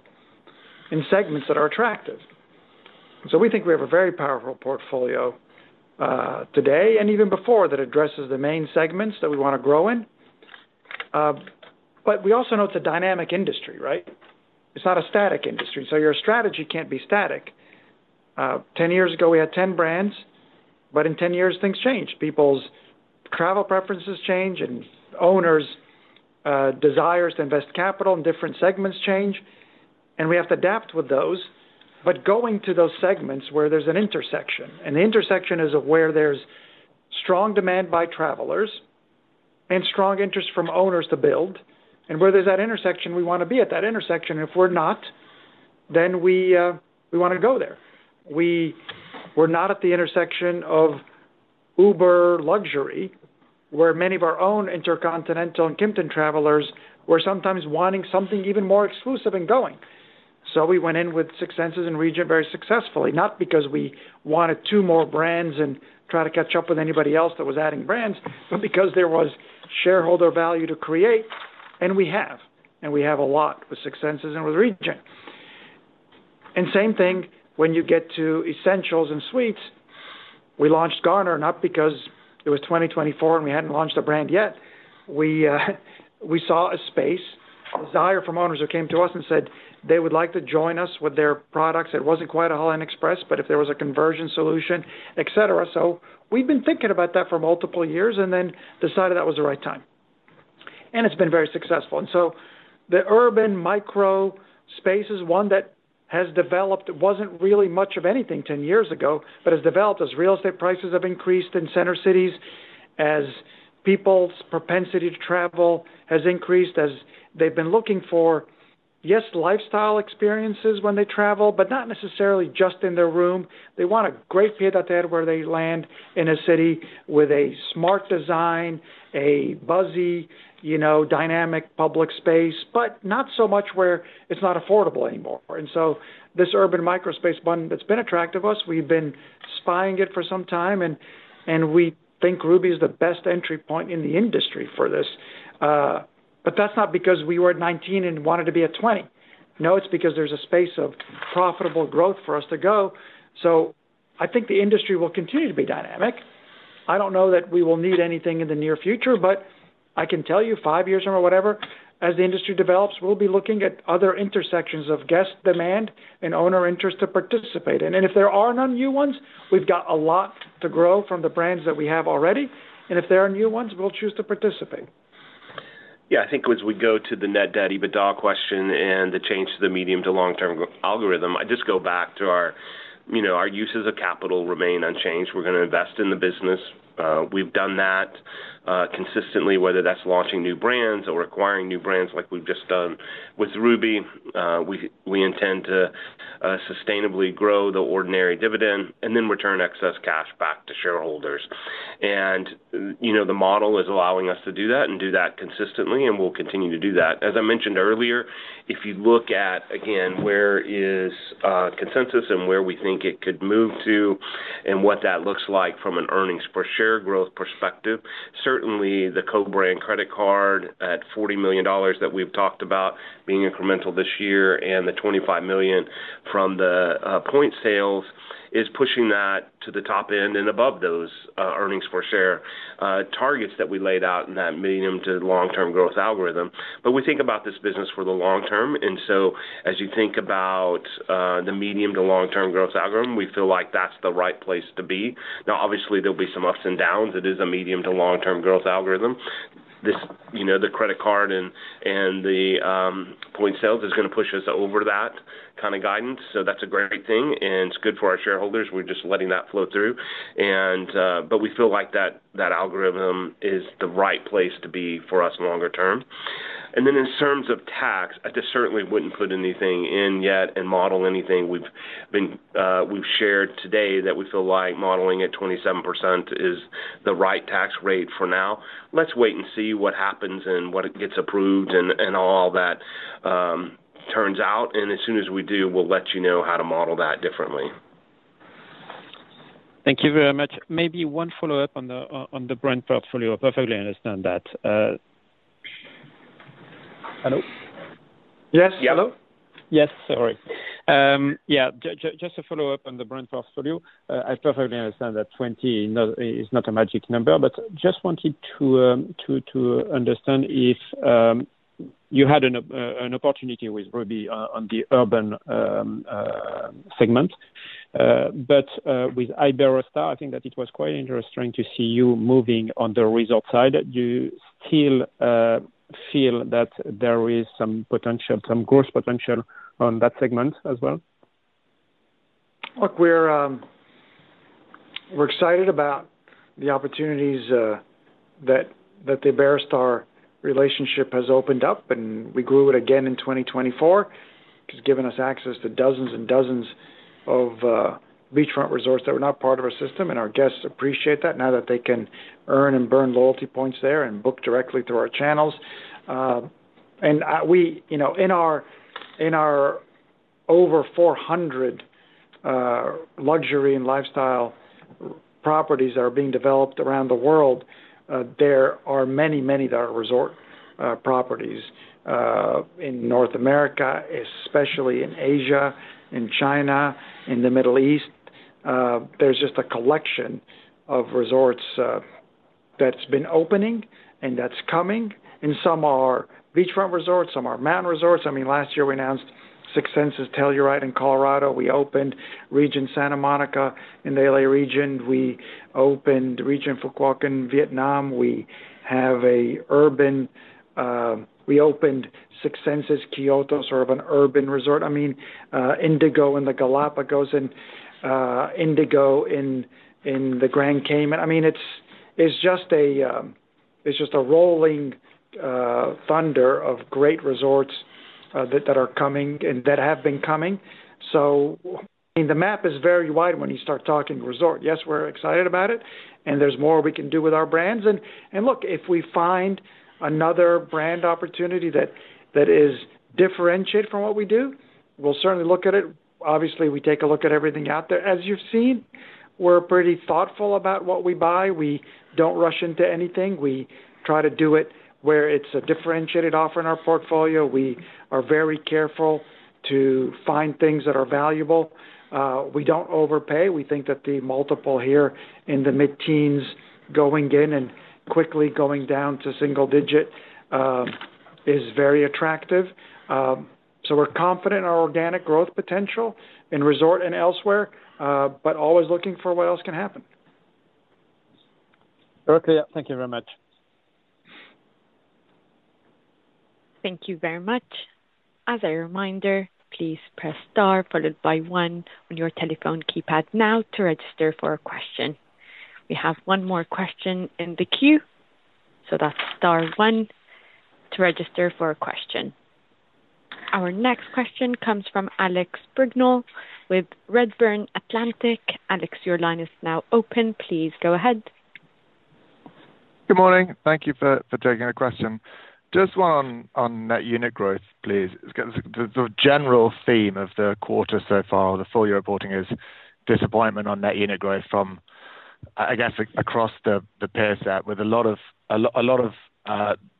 in segments that are attractive. So we think we have a very powerful portfolio today and even before that addresses the main segments that we want to grow in. But we also know it's a dynamic industry, right? It's not a static industry. So your strategy can't be static. 10 years ago, we had 10 brands, but in 10 years, things change. People's travel preferences change, and owners' desires to invest capital in different segments change, and we have to adapt with those. But going to those segments where there's an intersection, and the intersection is where there's strong demand by travelers and strong interest from owners to build, and where there's that intersection, we want to be at that intersection. If we're not, then we want to go there. We're not at the intersection of ultra luxury, where many of our own InterContinental and Kimpton travelers were sometimes wanting something even more exclusive and going. So we went in with Six Senses and Regent very successfully, not because we wanted two more brands and tried to catch up with anybody else that was adding brands, but because there was shareholder value to create, and we have. And we have a lot with Six Senses and with Regent. And same thing when you get to essentials and suites. We launched Garner not because it was 2024 and we hadn't launched a brand yet. We saw a space, a desire from owners who came to us and said they would like to join us with their products. It wasn't quite a Holiday Inn Express, but if there was a conversion solution, etc. So we've been thinking about that for multiple years and then decided that was the right time. And it's been very successful. And so the urban micro space is one that has developed. It wasn't really much of anything 10 years ago, but has developed as real estate prices have increased in center cities, as people's propensity to travel has increased, as they've been looking for, yes, lifestyle experiences when they travel, but not necessarily just in their room. They want a great pied-à-terre where they land in a city with a smart design, a buzzy, dynamic public space, but not so much where it's not affordable anymore. This urban micro space, one that's been attractive to us, we've been eyeing for some time, and we think Ruby is the best entry point in the industry for this. But that's not because we were at 19 and wanted to be at 20. No, it's because there's a space for profitable growth for us to go. So I think the industry will continue to be dynamic. I don't know that we will need anything in the near future, but I can tell you five years or whatever, as the industry develops, we'll be looking at other intersections of guest demand and owner interest to participate in. And if there are no new ones, we've got a lot to grow from the brands that we have already. And if there are new ones, we'll choose to participate. Yeah. I think as we go to the net debt EBITDA question and the change to the medium to long-term algorithm, I just go back to our uses of capital remain unchanged. We're going to invest in the business. We've done that consistently, whether that's launching new brands or acquiring new brands like we've just done with Ruby. We intend to sustainably grow the ordinary dividend and then return excess cash back to shareholders. The model is allowing us to do that and do that consistently, and we'll continue to do that. As I mentioned earlier, if you look at, again, where is consensus and where we think it could move to and what that looks like from an earnings per share growth perspective, certainly the co-brand credit card at $40 million that we've talked about being incremental this year and the $25 million from the points sales is pushing that to the top end and above those earnings per share targets that we laid out in that medium to long-term growth algorithm. But we think about this business for the long term. And so as you think about the medium to long-term growth algorithm, we feel like that's the right place to be. Now, obviously, there'll be some ups and downs. It is a medium to long-term growth algorithm. The credit card and the points sales is going to push us over that kind of guidance. So that's a great thing, and it's good for our shareholders. We're just letting that flow through. But we feel like that algorithm is the right place to be for us longer term. And then in terms of tax, I just certainly wouldn't put anything in yet and model anything. We've shared today that we feel like modeling at 27% is the right tax rate for now. Let's wait and see what happens and what gets approved and all that turns out. And as soon as we do, we'll let you know how to model that differently. Thank you very much. Maybe one follow-up on the brand portfolio? Perfectly understand that. Hello? Yes. Hello? Yes. Sorry. Yeah. Just a follow-up on the brand portfolio. I perfectly understand that 20 is not a magic number, but just wanted to understand if you had an opportunity with Ruby on the urban segment. But with Iberostar, I think that it was quite interesting to see you moving on the resort side. Do you still feel that there is some potential, some growth potential on that segment as well? Look, we're excited about the opportunities that the Iberostar relationship has opened up, and we grew it again in 2024. It's given us access to dozens and dozens of beachfront resorts that were not part of our system, and our guests appreciate that now that they can earn and burn loyalty points there and book directly through our channels. And in our over 400 luxury and lifestyle properties that are being developed around the world, there are many, many that are resort properties in North America, especially in Asia, in China, in the Middle East. There's just a collection of resorts that's been opening and that's coming. And some are beachfront resorts. Some are mountain resorts. I mean, last year, we announced Six Senses Telluride in Colorado. We opened Regent Santa Monica in the LA region. We opened Regent Phu Quoc in Vietnam. We have an urban. We opened Six Senses Kyoto, sort of an urban resort. I mean, Indigo in the Galápagos and Indigo in the Grand Cayman. I mean, it's just a rolling thunder of great resorts that are coming and that have been coming. So the map is very wide when you start talking resort. Yes, we're excited about it, and there's more we can do with our brands. And look, if we find another brand opportunity that is differentiated from what we do, we'll certainly look at it. Obviously, we take a look at everything out there. As you've seen, we're pretty thoughtful about what we buy. We don't rush into anything. We try to do it where it's a differentiated offer in our portfolio. We are very careful to find things that are valuable. We don't overpay. We think that the multiple here in the mid-teens going in and quickly going down to single digit is very attractive. So we're confident in our organic growth potential in resort and elsewhere, but always looking for what else can happen. Okay. Thank you very much. Thank you very much. As a reminder, please press star followed by one on your telephone keypad now to register for a question. We have one more question in the queue. So that's star one to register for a question. Our next question comes from Alex Brignall with Redburn Atlantic. Alex, your line is now open. Please go ahead. Good morning. Thank you for taking the question. Just one on net unit growth, please. The general theme of the quarter so far, the full year reporting, is disappointment on net unit growth from, I guess, across the peer set with a lot of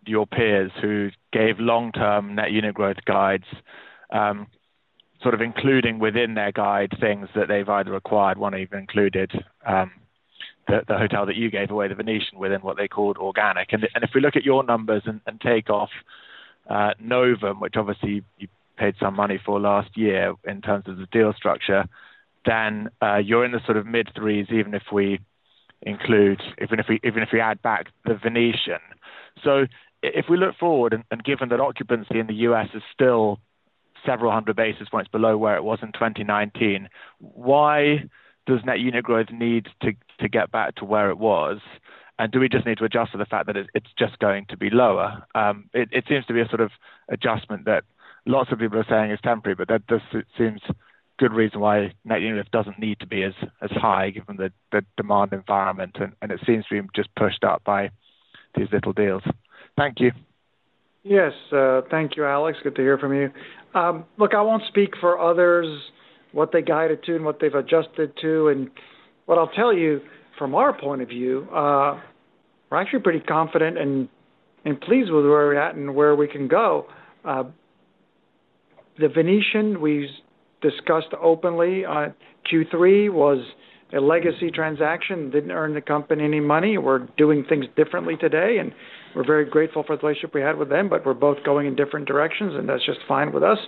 your peers who gave long-term net unit growth guides, sort of including within their guide things that they've either acquired, one even included the hotel that you gave away, the Venetian, within what they called organic, and if we look at your numbers and take off Novum, which obviously you paid some money for last year in terms of the deal structure, then you're in the sort of mid-threes, even if we include, even if we add back the Venetian. So if we look forward, and given that occupancy in the U.S. is still several hundred basis points below where it was in 2019, why does net unit growth need to get back to where it was? And do we just need to adjust for the fact that it's just going to be lower? It seems to be a sort of adjustment that lots of people are saying is temporary, but that seems a good reason why net unit doesn't need to be as high given the demand environment, and it seems to be just pushed up by these little deals. Thank you. Yes. Thank you, Alex. Good to hear from you. Look, I won't speak for others, what they guided to and what they've adjusted to. And what I'll tell you from our point of view, we're actually pretty confident and pleased with where we're at and where we can go. The Venetian we discussed openly on Q3 was a legacy transaction, didn't earn the company any money. We're doing things differently today, and we're very grateful for the relationship we had with them, but we're both going in different directions, and that's just fine with us.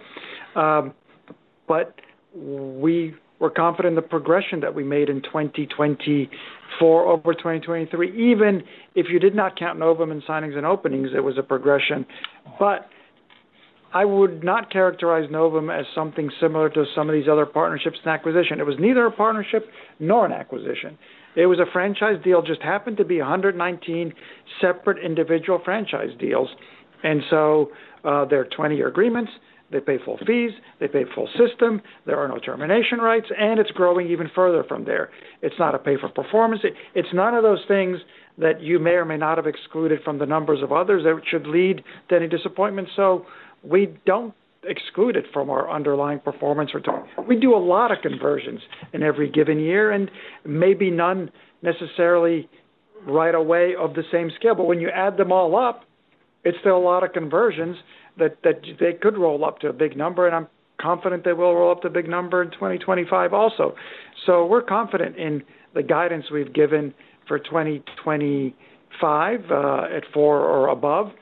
But we were confident in the progression that we made in 2024 over 2023, even if you did not count Novum and signings and openings, it was a progression. But I would not characterize Novum as something similar to some of these other partnerships and acquisition. It was neither a partnership nor an acquisition. It was a franchise deal that just happened to be 119 separate individual franchise deals. And so there are 20-year agreements. They pay full fees. They pay full system. There are no termination rights, and it's growing even further from there. It's not a pay-for-performance. It's none of those things that you may or may not have excluded from the numbers of others that should lead to any disappointment. So we don't exclude it from our underlying performance, or we do a lot of conversions in every given year, and maybe none necessarily right away of the same scale. But when you add them all up, it's still a lot of conversions that they could roll up to a big number, and I'm confident they will roll up to a big number in 2025 also. So we're confident in the guidance we've given for 2025 at four or above.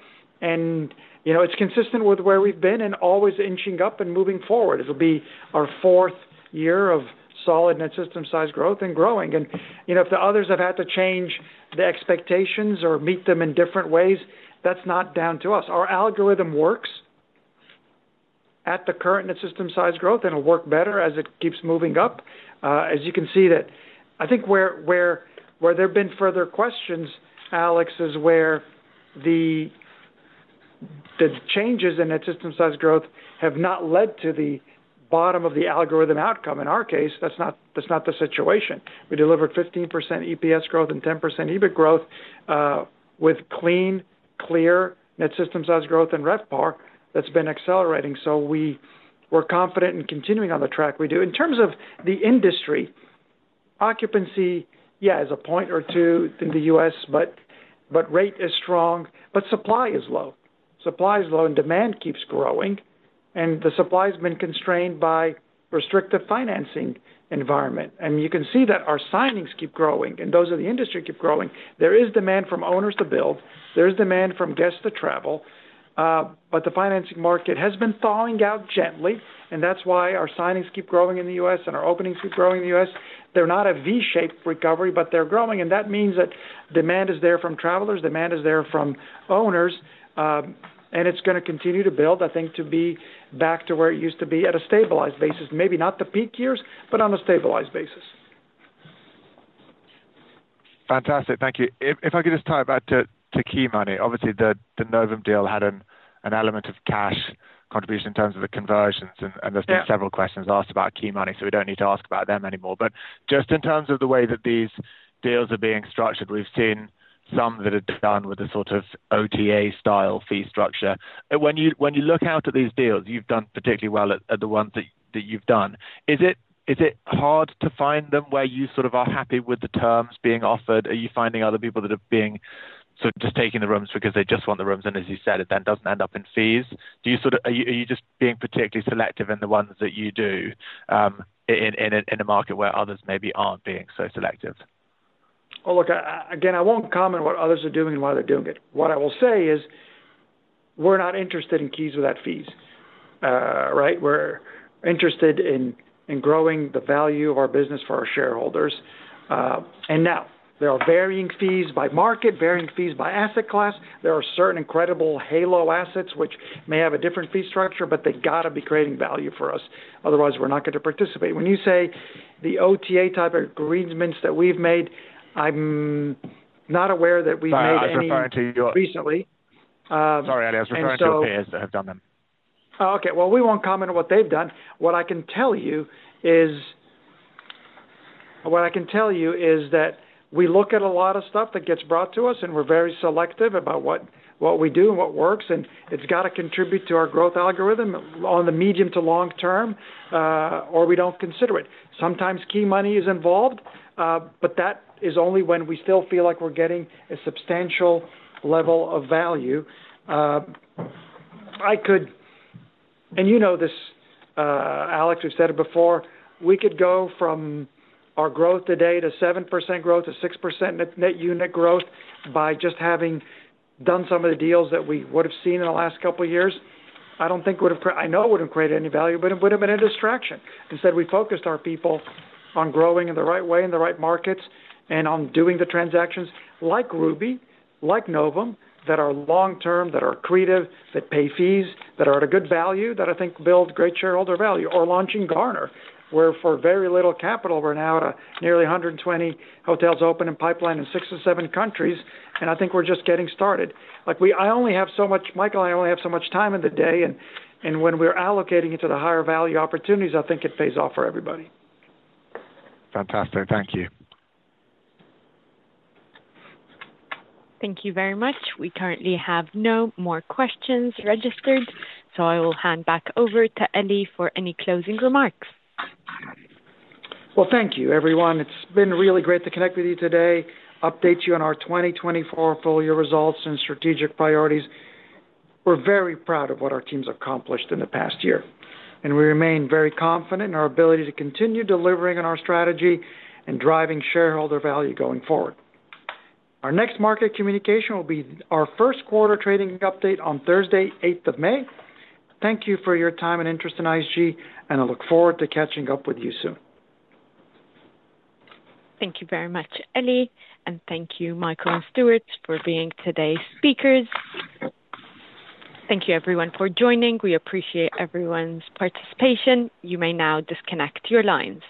It's consistent with where we've been and always inching up and moving forward. It'll be our fourth year of solid net system size growth and growing. If the others have had to change the expectations or meet them in different ways, that's not down to us. Our algorithm works at the current net system size growth, and it'll work better as it keeps moving up. As you can see, I think where there have been further questions, Alex, is where the changes in net system size growth have not led to the bottom of the algorithm outcome. In our case, that's not the situation. We delivered 15% EPS growth and 10% EBIT growth with clean, clear net system size growth and RevPAR that's been accelerating. We're confident in continuing on the track we do. In terms of the industry, occupancy, yeah, is a point or two in the U.S., but rate is strong, but supply is low. Supply is low, and demand keeps growing, and the supply has been constrained by restrictive financing environment. And you can see that our signings keep growing, and those of the industry keep growing. There is demand from owners to build. There is demand from guests to travel, but the financing market has been thawing out gently, and that's why our signings keep growing in the U.S. and our openings keep growing in the U.S. They're not a V-shaped recovery, but they're growing. And that means that demand is there from travelers. Demand is there from owners, and it's going to continue to build, I think, to be back to where it used to be at a stabilized basis. Maybe not the peak years, but on a stabilized basis. Fantastic. Thank you. If I could just tie back to key money, obviously, the Novum deal had an element of cash contribution in terms of the conversions, and there's been several questions asked about key money, so we don't need to ask about them anymore. But just in terms of the way that these deals are being structured, we've seen some that are done with a sort of OTA-style fee structure. When you look out at these deals, you've done particularly well at the ones that you've done. Is it hard to find them where you sort of are happy with the terms being offered? Are you finding other people that are being sort of just taking the rooms because they just want the rooms? And as you said, it then doesn't end up in fees. Are you just being particularly selective in the ones that you do in a market where others maybe aren't being so selective? Look, again, I won't comment on what others are doing and why they're doing it. What I will say is we're not interested in keys without fees, right? We're interested in growing the value of our business for our shareholders. Now, there are varying fees by market, varying fees by asset class. There are certain incredible halo assets which may have a different fee structure, but they got to be creating value for us. Otherwise, we're not going to participate. When you say the OTA type agreements that we've made, I'm not aware that we've made any recently. Sorry, I was referring to OTAs that have done them. Oh, okay. Well, we won't comment on what they've done. What I can tell you is that we look at a lot of stuff that gets brought to us, and we're very selective about what we do and what works, and it's got to contribute to our growth algorithm on the medium to long term, or we don't consider it. Sometimes key money is involved, but that is only when we still feel like we're getting a substantial level of value. And you know this, Alex. We've said it before. We could go from our growth today to 7% growth to 6% net unit growth by just having done some of the deals that we would have seen in the last couple of years. I don't think it would have. I know it wouldn't have created any value, but it would have been a distraction. Instead, we focused our people on growing in the right way, in the right markets, and on doing the transactions like Ruby, like Novum, that are long-term, that are creative, that pay fees, that are at a good value, that I think build great shareholder value, or launching Garner, where for very little capital, we're now at nearly 120 hotels open in pipeline in six or seven countries, and I think we're just getting started. I only have so much, Michael, I only have so much time in the day. And when we're allocating it to the higher value opportunities, I think it pays off for everybody. Fantastic. Thank you. Thank you very much. We currently have no more questions registered, so I will hand back over to Elie for any closing remarks. Thank you, everyone. It's been really great to connect with you today, update you on our 2024 full year results and strategic priorities. We're very proud of what our teams accomplished in the past year, and we remain very confident in our ability to continue delivering on our strategy and driving shareholder value going forward. Our next market communication will be our first quarter trading update on Thursday, May 8th. Thank you for your time and interest in IHG, and I look forward to catching up with you soon. Thank you very much, Elie, and thank you, Michael and Stuart, for being today's speakers. Thank you, everyone, for joining. We appreciate everyone's participation. You may now disconnect your lines.